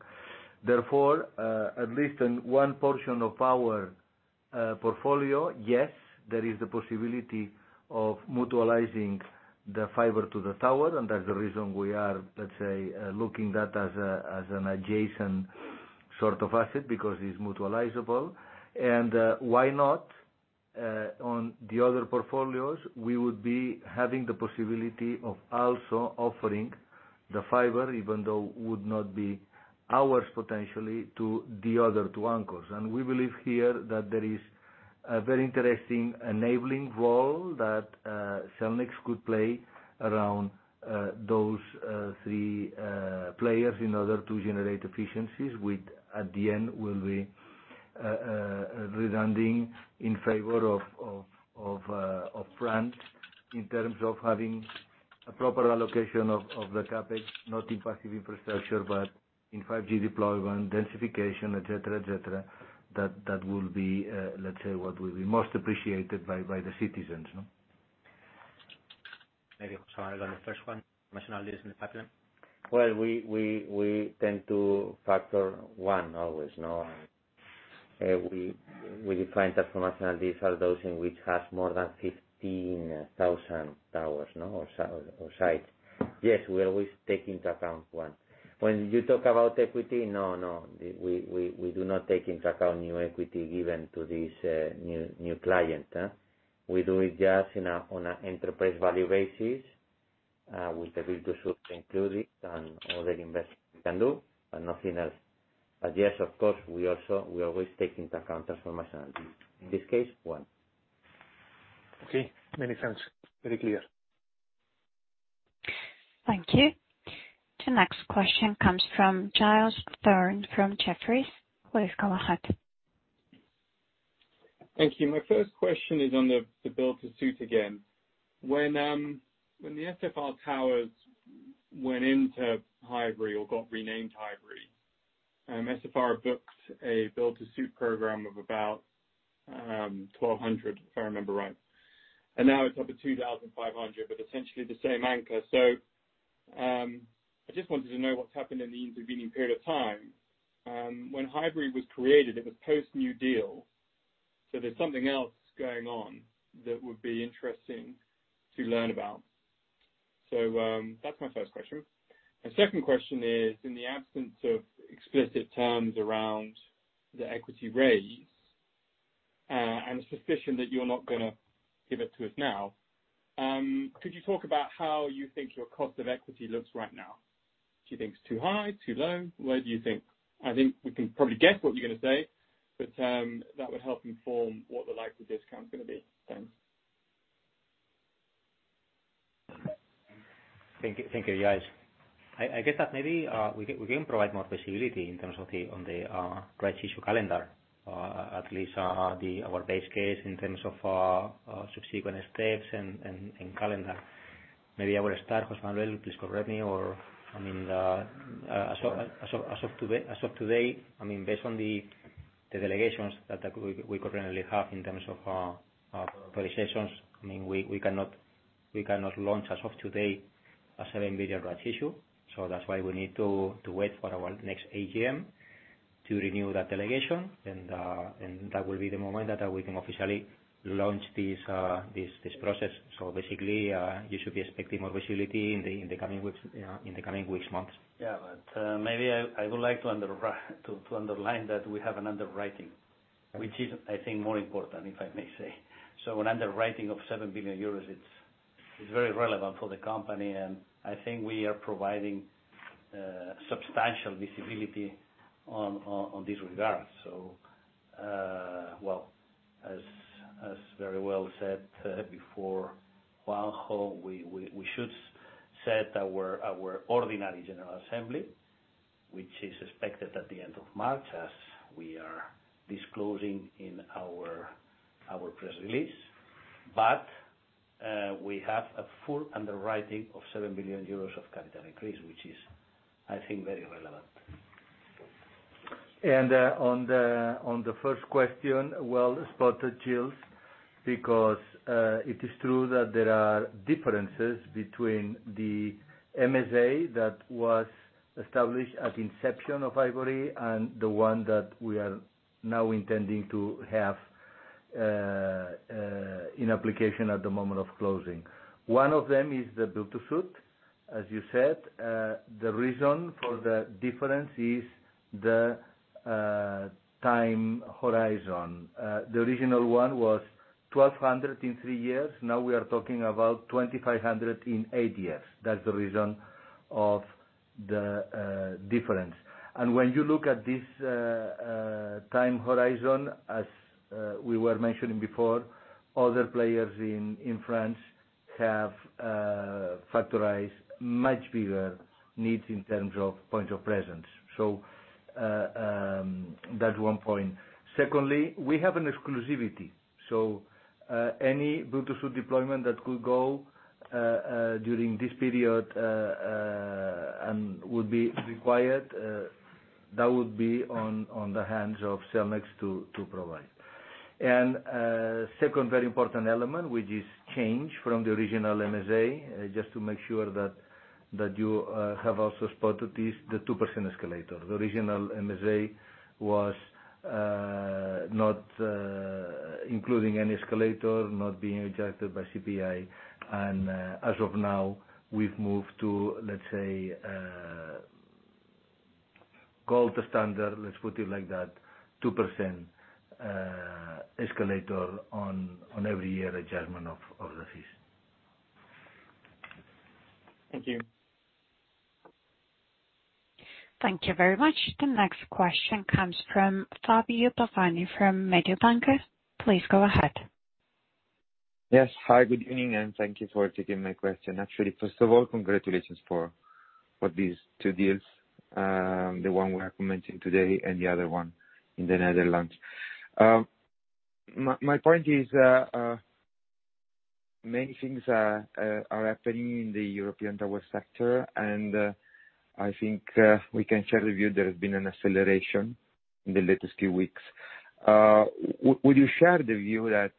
Therefore, at least in one portion of our portfolio, yes, there is the possibility of mutualizing the fiber to the tower. And that's the reason we are, let's say, looking at that as an adjacent sort of asset because it's mutualizable. And why not, on the other portfolios, we would be having the possibility of also offering the fiber, even though it would not be ours potentially, to the other two anchors. We believe here that there is a very interesting enabling role that Cellnex could play around those three players in order to generate efficiencies which, at the end, will redound in favor of France in terms of having a proper allocation of the CapEx, not in passive infrastructure, but in 5G deployment, densification, etc., etc., that will be, let's say, what will be most appreciated by the citizens. Maybe also another question. Transformational deals in the pipeline? Well, we tend to factor one always. We define transformational deals as those in which we have more than 15,000 towers or sites. Yes, we always take into account one. When you talk about equity, no, no. We do not take into account new equity given to this new client. We do it just on an enterprise value basis with the build-to-suit included and all the investment we can do, but nothing else. But yes, of course, we always take into account transformational deals. In this case, one. Okay. Makes sense. Very clear. Thank you. The next question comes from Giles Thorne from Jefferies. Please go ahead. Thank you. My first ques`tion is on the Build-to-Suit again. When the SFR towers went into Hivory or got renamed Hivory, SFR booked a Build-to-Suit program of about 1,200, if I remember right, and now it's up to 2,500, but essentially the same anchor. So I just wanted to know what's happened in the intervening period of time. When Hivory was created, it was post-New Deal. So there's something else going on that would be interesting to learn about. So that's my first question. My second question is, in the absence of explicit terms around the equity raise and a suspicion that you're not going to give it to us now, could you talk about how you think your cost of equity looks right now? Do you think it's too high, too low? Where do you think? I think we can probably guess what you're going to say, but that would help inform what the likely discount is going to be. Thanks. Thank you, guys. I guess that maybe we can provide more flexibility in terms of the rights issue calendar, at least our base case in terms of subsequent steps and calendar. Maybe I will start. José Manuel, please correct me. Or, I mean, as of today, I mean, based on the delegations that we currently have in terms of authorizations, I mean, we cannot launch as of today a 7 billion rights issue. So that's why we need to wait for our next AGM to renew that delegation, and that will be the moment that we can officially launch this process. So basically, you should be expecting more visibility in the coming weeks, months. Yeah, but maybe I would like to underline that we have an underwriting, which is, I think, more important, if I may say. So an underwriting of 7 billion euros, it's very relevant for the company. And I think we are providing substantial visibility on this regard. So, well, as very well said before, Juanjo, we should set our ordinary general assembly, which is expected at the end of March, as we are disclosing in our press release. But we have a full underwriting of 7 billion euros of capital increase, which is, I think, very relevant. And on the first question, well, spot the diffs because it is true that there are differences between the MSA that was established at the inception of Hivory and the one that we are now intending to have in application at the moment of closing. One of them is the build-to-suit, as you said. The reason for the difference is the time horizon. The original one was 1,200 in three years. Now we are talking about 2,500 in eight years. That's the reason of the difference. When you look at this time horizon, as we were mentioning before, other players in France have forecasted much bigger needs in terms of points of presence. So that's one point. Secondly, we have an exclusivity. Any Build-to-Suit deployment that could go during this period and would be required would be on the hands of Cellnex to provide. Second, a very important element, which is a change from the original MSA, just to make sure that you have also spotted this, the 2% escalator. The original MSA was not including any escalator, not being indexed to CPI. As of now, we've moved to, let's say, gold standard, let's put it like that, 2% escalator on every year adjustment of the fees. Thank you. Thank you very much. The next question comes from Fabio Pavan from Mediobanca. Please go ahead. Yes. Hi, good evening, and thank you for taking my question. Actually, first of all, congratulations for these two deals, the one we are commenting today and the other one in the Netherlands. My point is many things are happening in the European tower sector, and I think we can share the view that there has been an acceleration in the latest few weeks. Would you share the view that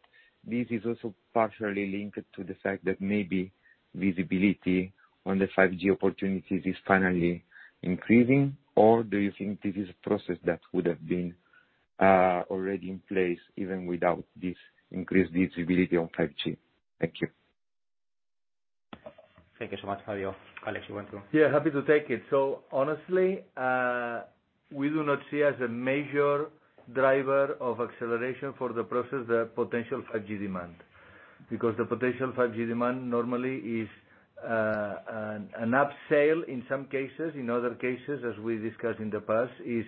this is also partially linked to the fact that maybe visibility on the 5G opportunities is finally increasing, or do you think this is a process that would have been already in place even without this increased visibility on 5G? Thank you. Thank you so much, Fabio. Alex, you want to? Yeah, happy to take it. So honestly, we do not see as a major driver of acceleration for the process the potential 5G demand. Because the potential 5G demand normally is an upsale in some cases. In other cases, as we discussed in the past, it is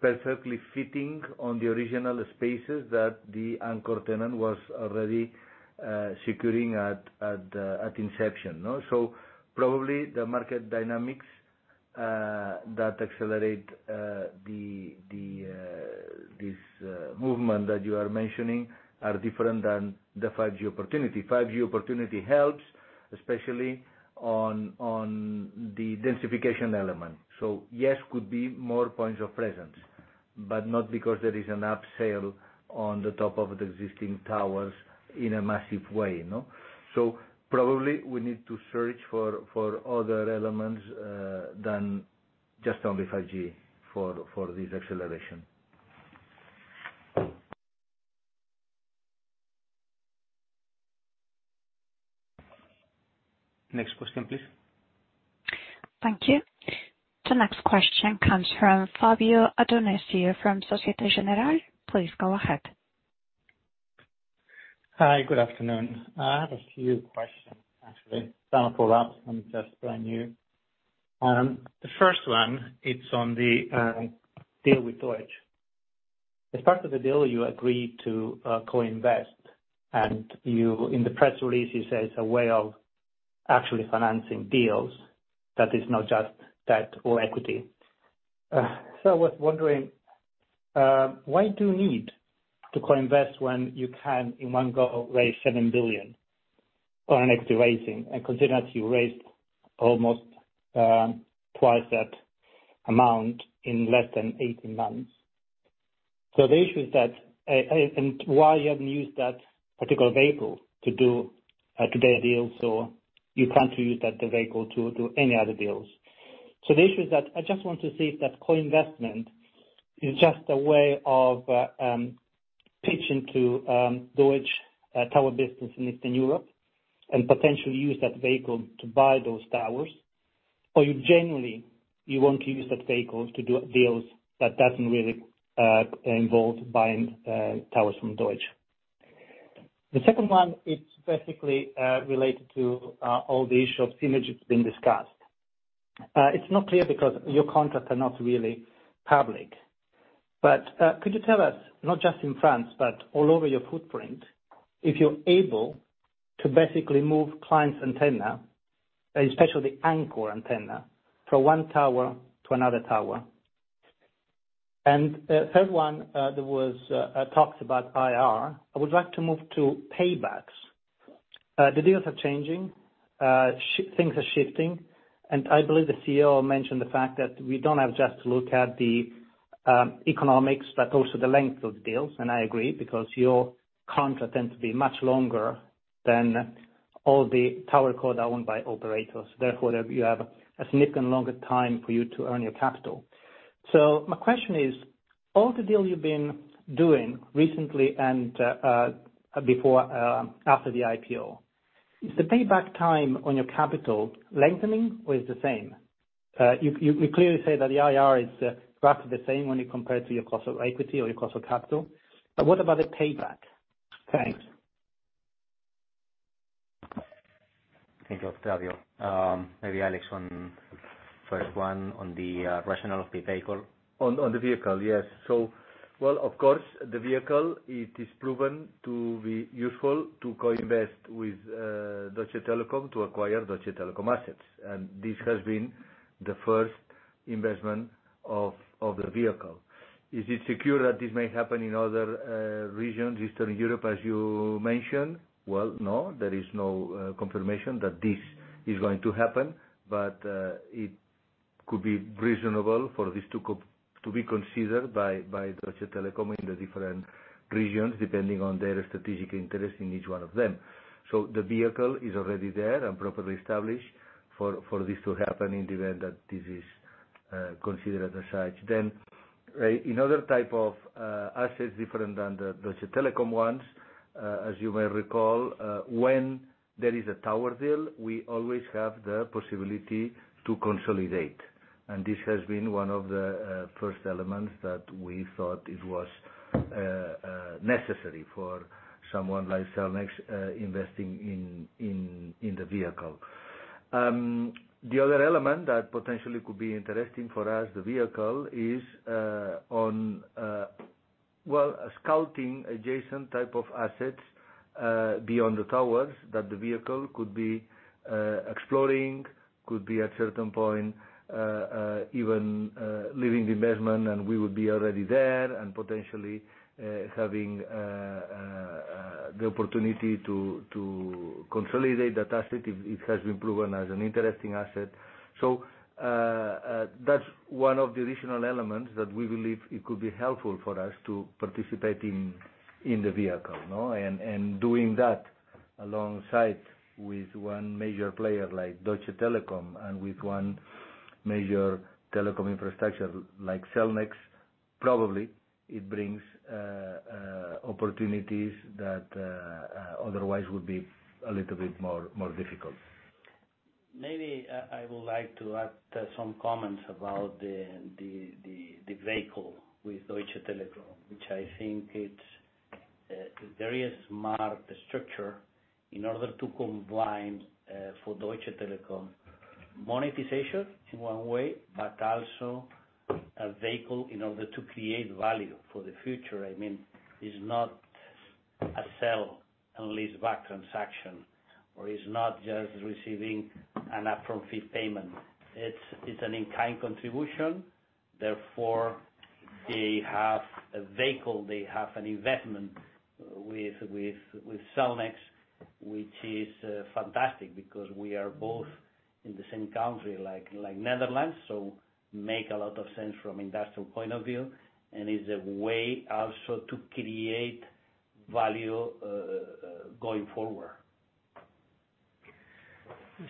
perfectly fitting on the original spaces that the anchor tenant was already securing at inception. So probably the market dynamics that accelerate this movement that you are mentioning are different than the 5G opportunity. 5G opportunity helps, especially on the densification element. So yes, it could be more points of presence, but not because there is an upsale on the top of the existing towers in a massive way. So probably we need to search for other elements than just only 5G for this acceleration. Next question, please. Thank you. The next question comes from Ottavio Adorisio from Société Générale. Please go ahead. Hi, good afternoon. I have a few questions, actually. It's time for that. I'm just brand new. The first one, it's on the deal with Deutsche. As part of the deal, you agreed to co-invest, and in the press release, you say it's a way of actually financing deals that is not just debt or equity. So I was wondering, why do you need to co-invest when you can, in one go, raise 7 billion on equity raising and consider that you raised almost twice that amount in less than 18 months? So the issue is that and why you haven't used that particular vehicle to do today's deals, or you can't use that vehicle to do any other deals. So the issue is that I just want to see if that co-investment is just a way of pitching to Deutsche tower business in Eastern Europe and potentially use that vehicle to buy those towers, or you genuinely want to use that vehicle to do deals that don't really involve buying towers from Deutsche. The second one, it's basically related to all the issue of synergy that's been discussed. It's not clear because your contracts are not really public. But could you tell us, not just in France, but all over your footprint, if you're able to basically move clients' antenna, especially the anchor antenna, from one tower to another tower? And the third one, there were talks about IRR. I would like to move to paybacks. The deals are changing. Things are shifting. And I believe the CEO mentioned the fact that we don't just have to look at the economics, but also the length of the deals. And I agree because your contract tends to be much longer than all the tower cos are owned by operators. Therefore, you have a significantly longer time for you to earn your capital. So my question is, all the deals you've been doing recently and before after the IPO, is the payback time on your capital lengthening or is it the same? You clearly say that the IRR is roughly the same when you compare it to your cost of equity or your cost of capital. But what about the payback? Thanks. Thank you, Ottavio. Maybe Alex, first one on the rationale of the vehicle. On the vehicle, yes. So, well, of course, the vehicle, it is proven to be useful to co-invest with Deutsche Telekom to acquire Deutsche Telekom assets. And this has been the first investment of the vehicle. Is it sure that this may happen in other regions, Eastern Europe, as you mentioned? Well, no, there is no confirmation that this is going to happen, but it could be reasonable for this to be considered by Deutsche Telekom in the different regions depending on their strategic interests in each one of them. So the vehicle is already there and properly established for this to happen in the event that this is considered as such. Then in other types of assets different than the Deutsche Telekom ones, as you may recall, when there is a tower deal, we always have the possibility to consolidate. This has been one of the first elements that we thought it was necessary for someone like Cellnex investing in the vehicle. The other element that potentially could be interesting for us, the vehicle, is on, well, sculpting adjacent types of assets beyond the towers that the vehicle could be exploring, could be at a certain point even leaving the investment, and we would be already there and potentially having the opportunity to consolidate that asset if it has been proven as an interesting asset. That's one of the additional elements that we believe it could be helpful for us to participate in the vehicle. Doing that alongside with one major player like Deutsche Telekom and with one major telecom infrastructure like Cellnex, probably it brings opportunities that otherwise would be a little bit more difficult. Maybe I would like to add some comments about the vehicle with Deutsche Telekom, which I think it's a very smart structure in order to combine for Deutsche Telekom monetization in one way, but also a vehicle in order to create value for the future. I mean, it's not a sell and lease back transaction, or it's not just receiving an upfront fee payment. It's an in-kind contribution. Therefore, they have a vehicle. They have an investment with Cellnex, which is fantastic because we are both in the same country, like Netherlands, so it makes a lot of sense from an industrial point of view, and it's a way also to create value going forward.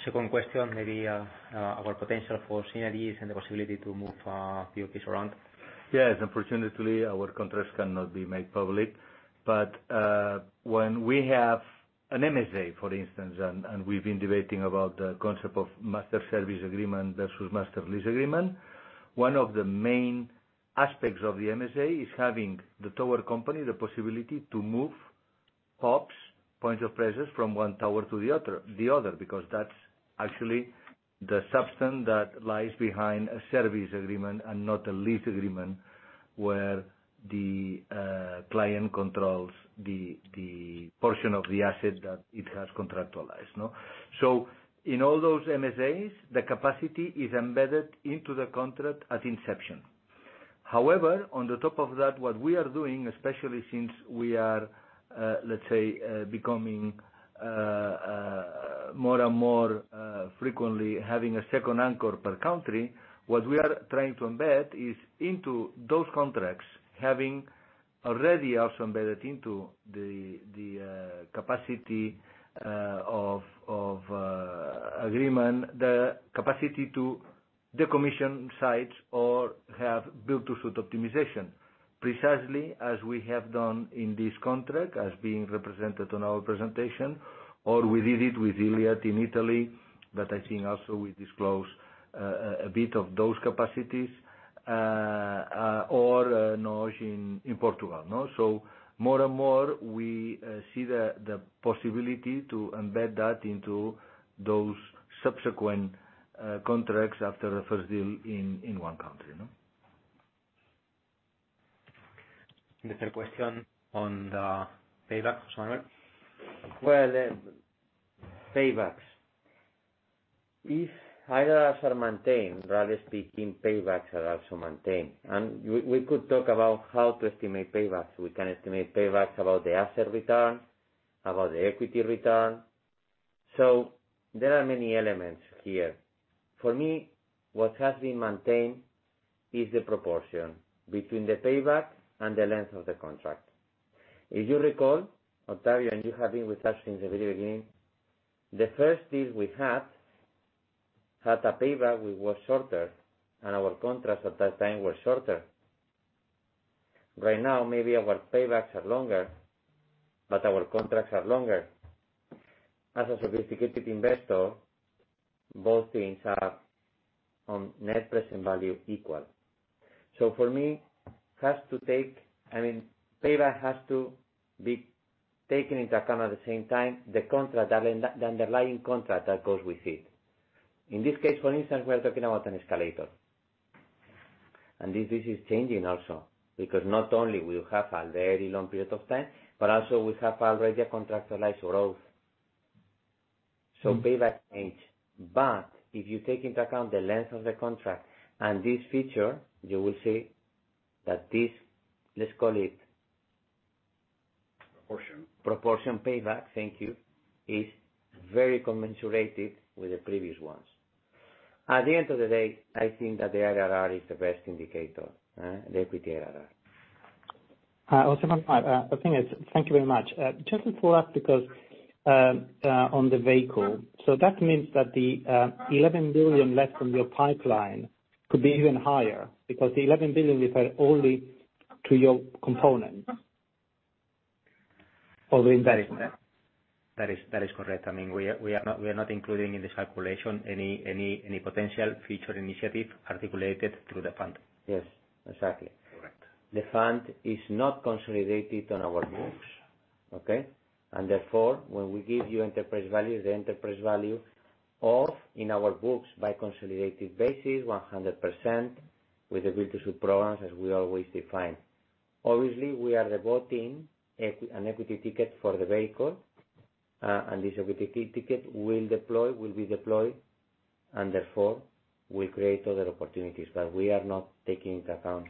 Second question, maybe our potential for synergies and the possibility to move a few keys around? Yes, unfortunately, our contracts cannot be made public. But when we have an MSA, for instance, and we've been debating about the concept of master service agreement versus master lease agreement, one of the main aspects of the MSA is having the tower company the possibility to move PoPs, points of presence, from one tower to the other because that's actually the substance that lies behind a service agreement and not a lease agreement where the client controls the portion of the asset that it has contractualized. So in all those MSAs, the capacity is embedded into the contract at inception. However, on top of that, what we are doing, especially since we are, let's say, becoming more and more frequently having a second anchor per country, what we are trying to embed is into those contracts, having already also embedded into the master lease agreement the capacity to decommission sites or have build-to-suit optimization, precisely as we have done in this contract, as being represented on our presentation, or we did it with Iliad in Italy, but I think also we disclosed a bit of those capacities, or NOS in Portugal. So more and more, we see the possibility to embed that into those subsequent contracts after the first deal in one country. The third question on the payback, José Manuel. Paybacks. If IRRs are maintained, rather speaking, paybacks are also maintained. We could talk about how to estimate paybacks. We can estimate paybacks about the asset return, about the equity return. There are many elements here. For me, what has been maintained is the proportion between the payback and the length of the contract. If you recall, Ottavio, and you have been with us since the very beginning, the first deal we had had a payback which was shorter, and our contracts at that time were shorter. Right now, maybe our paybacks are longer, but our contracts are longer. As a sophisticated investor, both things are on net present value equal. For me, it has to take I mean, payback has to be taken into account at the same time, the contract, the underlying contract that goes with it. In this case, for instance, we are talking about an escalator, and this is changing also because not only we have a very long period of time, but also we have already a contractualized growth, so payback change, but if you take into account the length of the contract and this feature, you will see that this, let's call it. Proportion. Proportional payback, thank you, is very commensurate with the previous ones. At the end of the day, I think that the IRR is the best indicator, the equity IRR. José Manuel, the thing is, thank you very much. Just to follow up because on the vehicle, so that means that the 11 billion left from your pipeline could be even higher because the 11 billion referred only to your components of the investment. That is correct. I mean, we are not including in this calculation any potential future initiative articulated through the fund. Yes, exactly. Correct. The fund is not consolidated on our books, okay? And therefore, when we give you enterprise value, the enterprise value of, in our books, on a consolidated basis, 100% with the build-to-suit programs, as we always define. Obviously, we are devoting an equity ticket for the vehicle, and this equity ticket will be deployed, and therefore, will create other opportunities. But we are not taking into account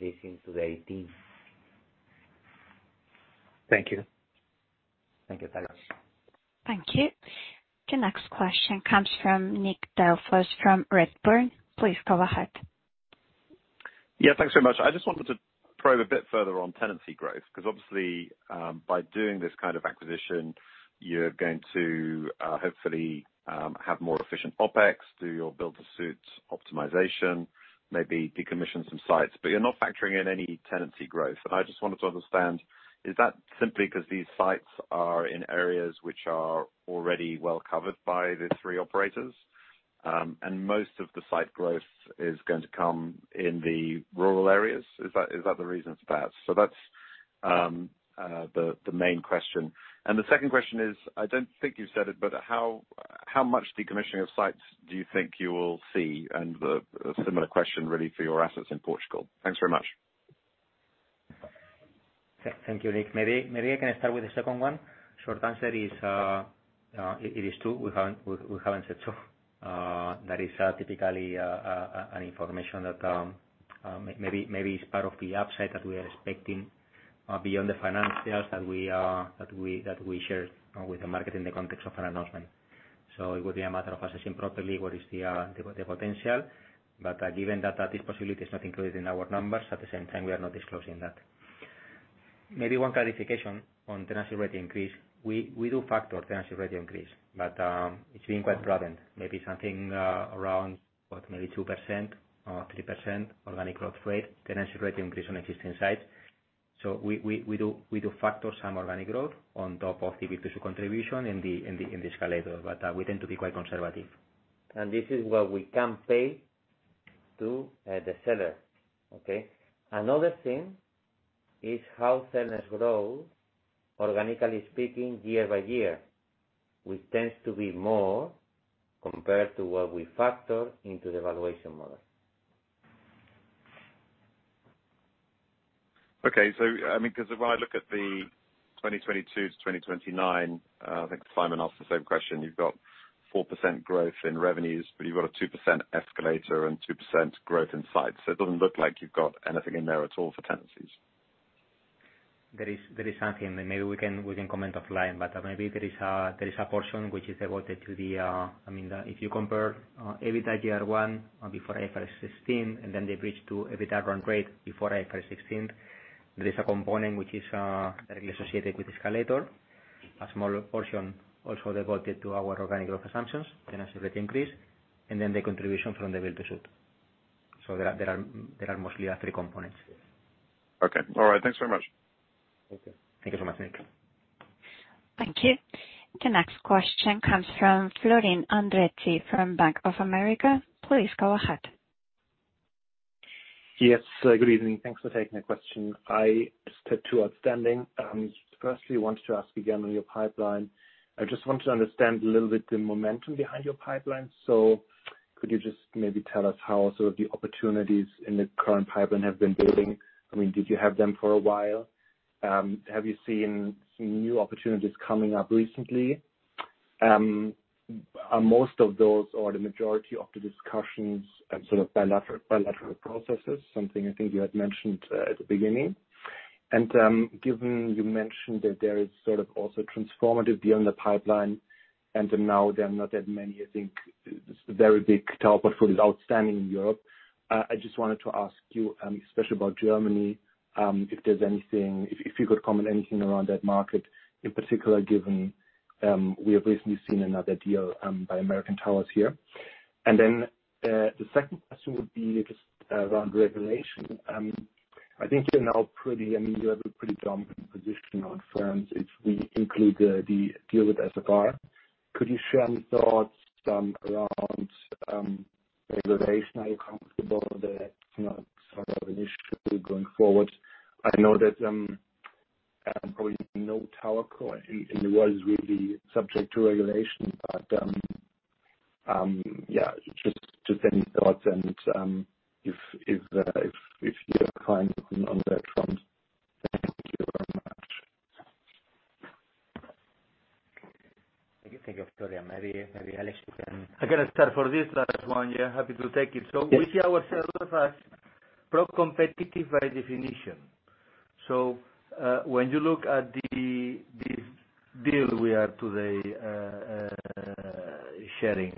this into the EV. Thank you. Thank you. Thank you. The next question comes from Nick Delfas from Redburn. Please go ahead. Yeah, thanks very much. I just wanted to probe a bit further on tenancy growth because, obviously, by doing this kind of acquisition, you're going to hopefully have more efficient OpEx, do your build-to-suit optimization, maybe decommission some sites, but you're not factoring in any tenancy growth. And I just wanted to understand, is that simply because these sites are in areas which are already well covered by the three operators, and most of the site growth is going to come in the rural areas? Is that the reason for that? So that's the main question. And the second question is, I don't think you've said it, but how much decommissioning of sites do you think you will see? And a similar question, really, for your assets in Portugal. Thanks very much. Thank you, Nick. Maybe I can start with the second one. Short answer is it is true. We haven't said so. That is typically an information that maybe is part of the upside that we are expecting beyond the financials that we share with the market in the context of an announcement. So it would be a matter of assessing properly what is the potential. But given that this possibility is not included in our numbers, at the same time, we are not disclosing that. Maybe one clarification on tenancy rate increase. We do factor tenancy rate increase, but it's been quite prominent. Maybe something around, what, maybe 2% or 3% organic growth rate, tenancy rate increase on existing sites. So we do factor some organic growth on top of the Build-to-Suit contribution in the escalator, but we tend to be quite conservative. This is what we can pay to the seller, okay? Another thing is how sellers grow, organically speaking, year by year, which tends to be more compared to what we factor into the valuation model. Okay. So, I mean, because when I look at the 2022 to 2029, I think Simon asked the same question. You've got 4% growth in revenues, but you've got a 2% escalator and 2% growth in sites. So it doesn't look like you've got anything in there at all for tenancies. There is something. Maybe we can comment offline, but maybe there is a portion which is devoted to the, I mean, if you compare EBITDA year one before IFRS 16, and then they bridge to EBITDA run rate before IFRS 16, there is a component which is directly associated with escalator, a small portion also devoted to our organic growth assumptions, tenancy rate increase, and then the contribution from the build-to-suit. So there are mostly three components. Okay. All right. Thanks very much. Thank you. Thank you so much, Nick. Thank you. The next question comes from Florian Andreucci from Bank of America. Please go ahead. Yes, good evening. Thanks for taking the question. I just had two outstanding. Firstly, I wanted to ask again on your pipeline. I just wanted to understand a little bit the momentum behind your pipeline. So could you just maybe tell us how sort of the opportunities in the current pipeline have been building? I mean, did you have them for a while? Have you seen some new opportunities coming up recently? Are most of those or the majority of the discussions sort of bilateral processes, something I think you had mentioned at the beginning? Given you mentioned that there is sort of also a transformative deal in the pipeline, and now there are not that many, I think, very big tower portfolios outstanding in Europe, I just wanted to ask you, especially about Germany, if there's anything, if you could comment anything around that market, in particular, given we have recently seen another deal by American Towers here. Then the second question would be just around regulation. I think you're now pretty. I mean, you have a pretty dominant position in France if we include the deal with SFR. Could you share any thoughts around regulation? Are you comfortable that it's not sort of an issue going forward? I know that probably no tower in the world is really subject to regulation, but yeah, just any thoughts and if you're fine on that front. Thank you very much. I can think of Florian. Maybe Alex, you can. I can start for this last one. Yeah, happy to take it. We see ourselves as pro-competitive by definition. When you look at the deal we are today sharing,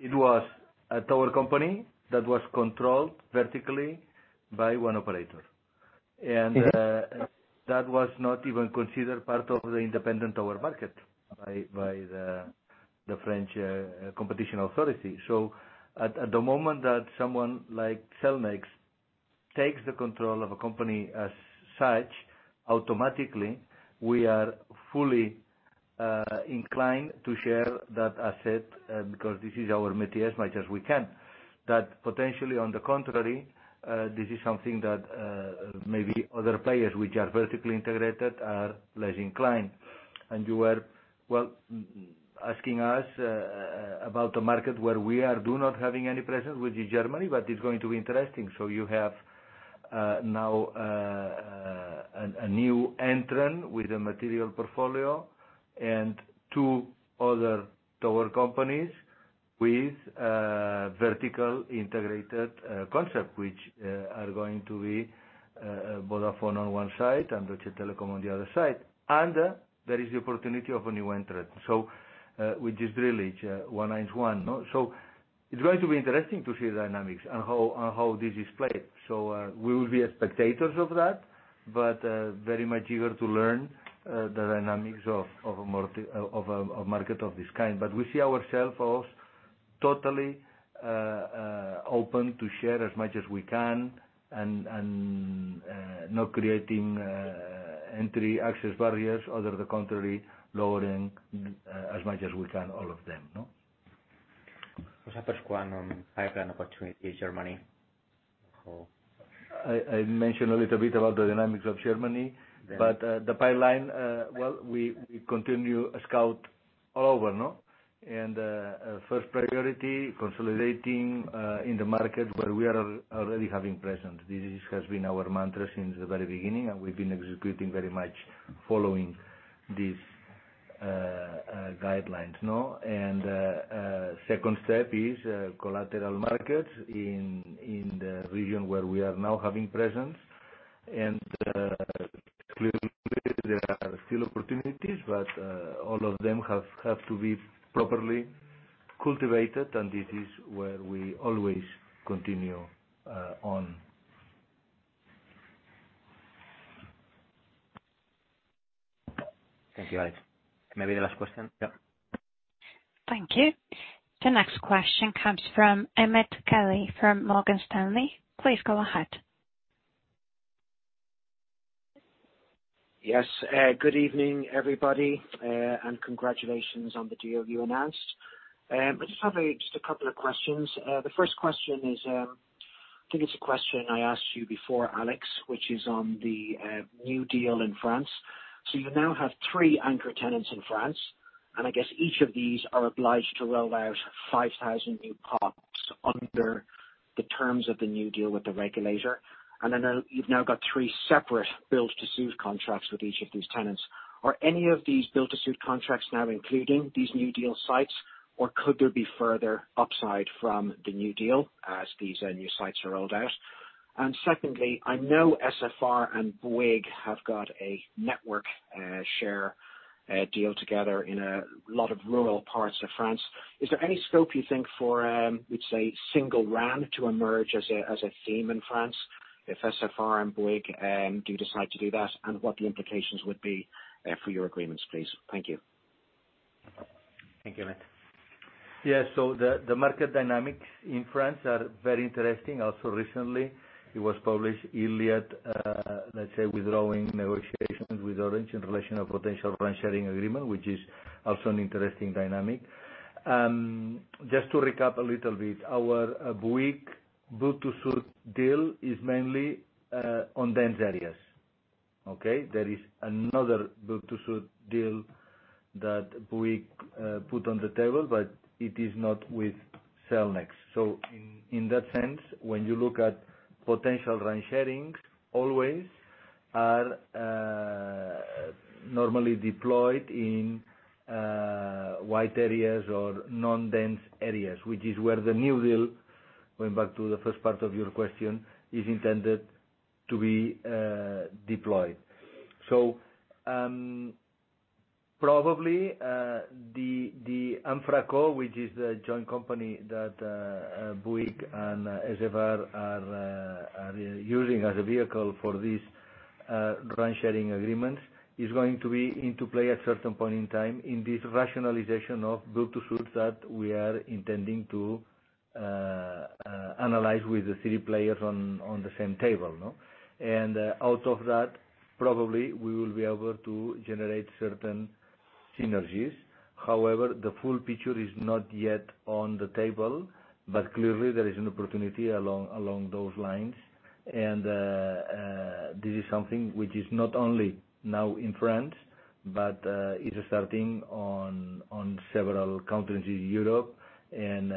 it was a tower company that was controlled vertically by one operator. That was not even considered part of the independent tower market by the French competition authority. At the moment that someone like Cellnex takes the control of a company as such, automatically, we are fully inclined to share that asset because this is our mantra as much as we can. That potentially, on the contrary, this is something that maybe other players which are vertically integrated are less inclined. You were, well, asking us about a market where we do not have any presence, which is Germany, but it's going to be interesting. So, you have now a new entrant with a material portfolio and two other tower companies with vertically integrated concepts which are going to be Vodafone on one side and Deutsche Telekom on the other side. And there is the opportunity of a new entrant. So which is really one-on-one. So it's going to be interesting to see the dynamics and how this is played. So we will be spectators of that, but very much eager to learn the dynamics of a market of this kind. But we see ourselves as totally open to share as much as we can and not creating entry access barriers, other than the contrary: lowering as much as we can all of them. What's up with pipeline opportunity in Germany? I mentioned a little bit about the dynamics of Germany, but the pipeline, well, we continue to scout all over. And first priority, consolidating in the market where we are already having presence. This has been our mantra since the very beginning, and we've been executing very much following these guidelines. And second step is collateral markets in the region where we are now having presence. And clearly, there are still opportunities, but all of them have to be properly cultivated, and this is where we always continue on. Thank you, Alex. Maybe the last question. Yeah. Thank you. The next question comes from Emmet Kelly from Morgan Stanley. Please go ahead. Yes. Good evening, everybody, and congratulations on the deal you announced. I have a couple of questions. The first question is, I think it's a question I asked you before, Alex, which is on the New Deal in France. So you now have three anchor tenants in France, and I guess each of these are obliged to roll out 5,000 new PoPs under the terms of the New Deal with the regulator. And then you've now got three separate build-to-suit contracts with each of these tenants. Are any of these build-to-suit contracts now including these New Deal sites, or could there be further upside from the New Deal as these new sites are rolled out? And secondly, I know SFR and Bouygues have got a network share deal together in a lot of rural parts of France. Is there any scope, you think, for, we'd say, Single RAN to emerge as a theme in France if SFR and Bouygues do decide to do that, and what the implications would be for your agreements, please? Thank you. Thank you, Emmet. Yeah, so the market dynamics in France are very interesting. Also, recently, it was published, Iliad, let's say, withdrawing negotiations with Orange in relation to a potential RAN sharing agreement, which is also an interesting dynamic. Just to recap a little bit, our Bouygues Build-to-Suit deal is mainly on dense areas, okay? There is another Build-to-Suit deal that Bouygues put on the table, but it is not with Cellnex. So in that sense, when you look at potential RAN sharings, always are normally deployed in white areas or non-dense areas, which is where the New Deal, going back to the first part of your question, is intended to be deployed. Probably the InfraCo, which is the joint company that Bouygues and SFR are using as a vehicle for these RAN sharing agreements, is going to be in play at a certain point in time in this rationalization of build-to-suit sites that we are intending to analyze with the three players on the same table. Out of that, probably we will be able to generate certain synergies. However, the full picture is not yet on the table, but clearly, there is an opportunity along those lines. This is something which is not only now in France, but is starting in several countries in Europe and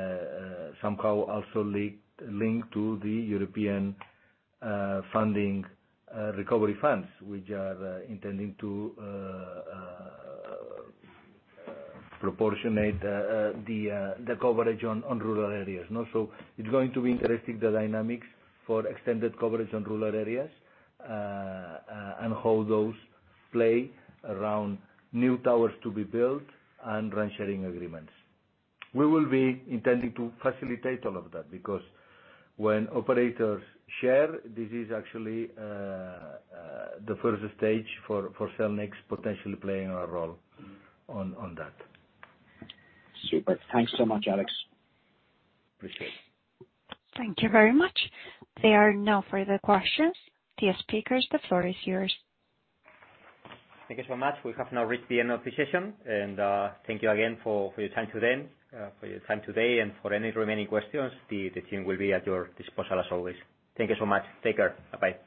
somehow also linked to the European recovery funds, which are intending to improve the coverage in rural areas. So it's going to be interesting, the dynamics for extended coverage on rural areas and how those play around new towers to be built and RAN sharing agreements. We will be intending to facilitate all of that because when operators share, this is actually the first stage for Cellnex potentially playing a role on that. Super. Thanks so much, Alex. Appreciate it. Thank you very much. There are no further questions. Dear speakers, the floor is yours. Thank you so much. We have now reached the end of the session, and thank you again for your time today, and for any remaining questions. The team will be at your disposal as always. Thank you so much. Take care. Bye-bye.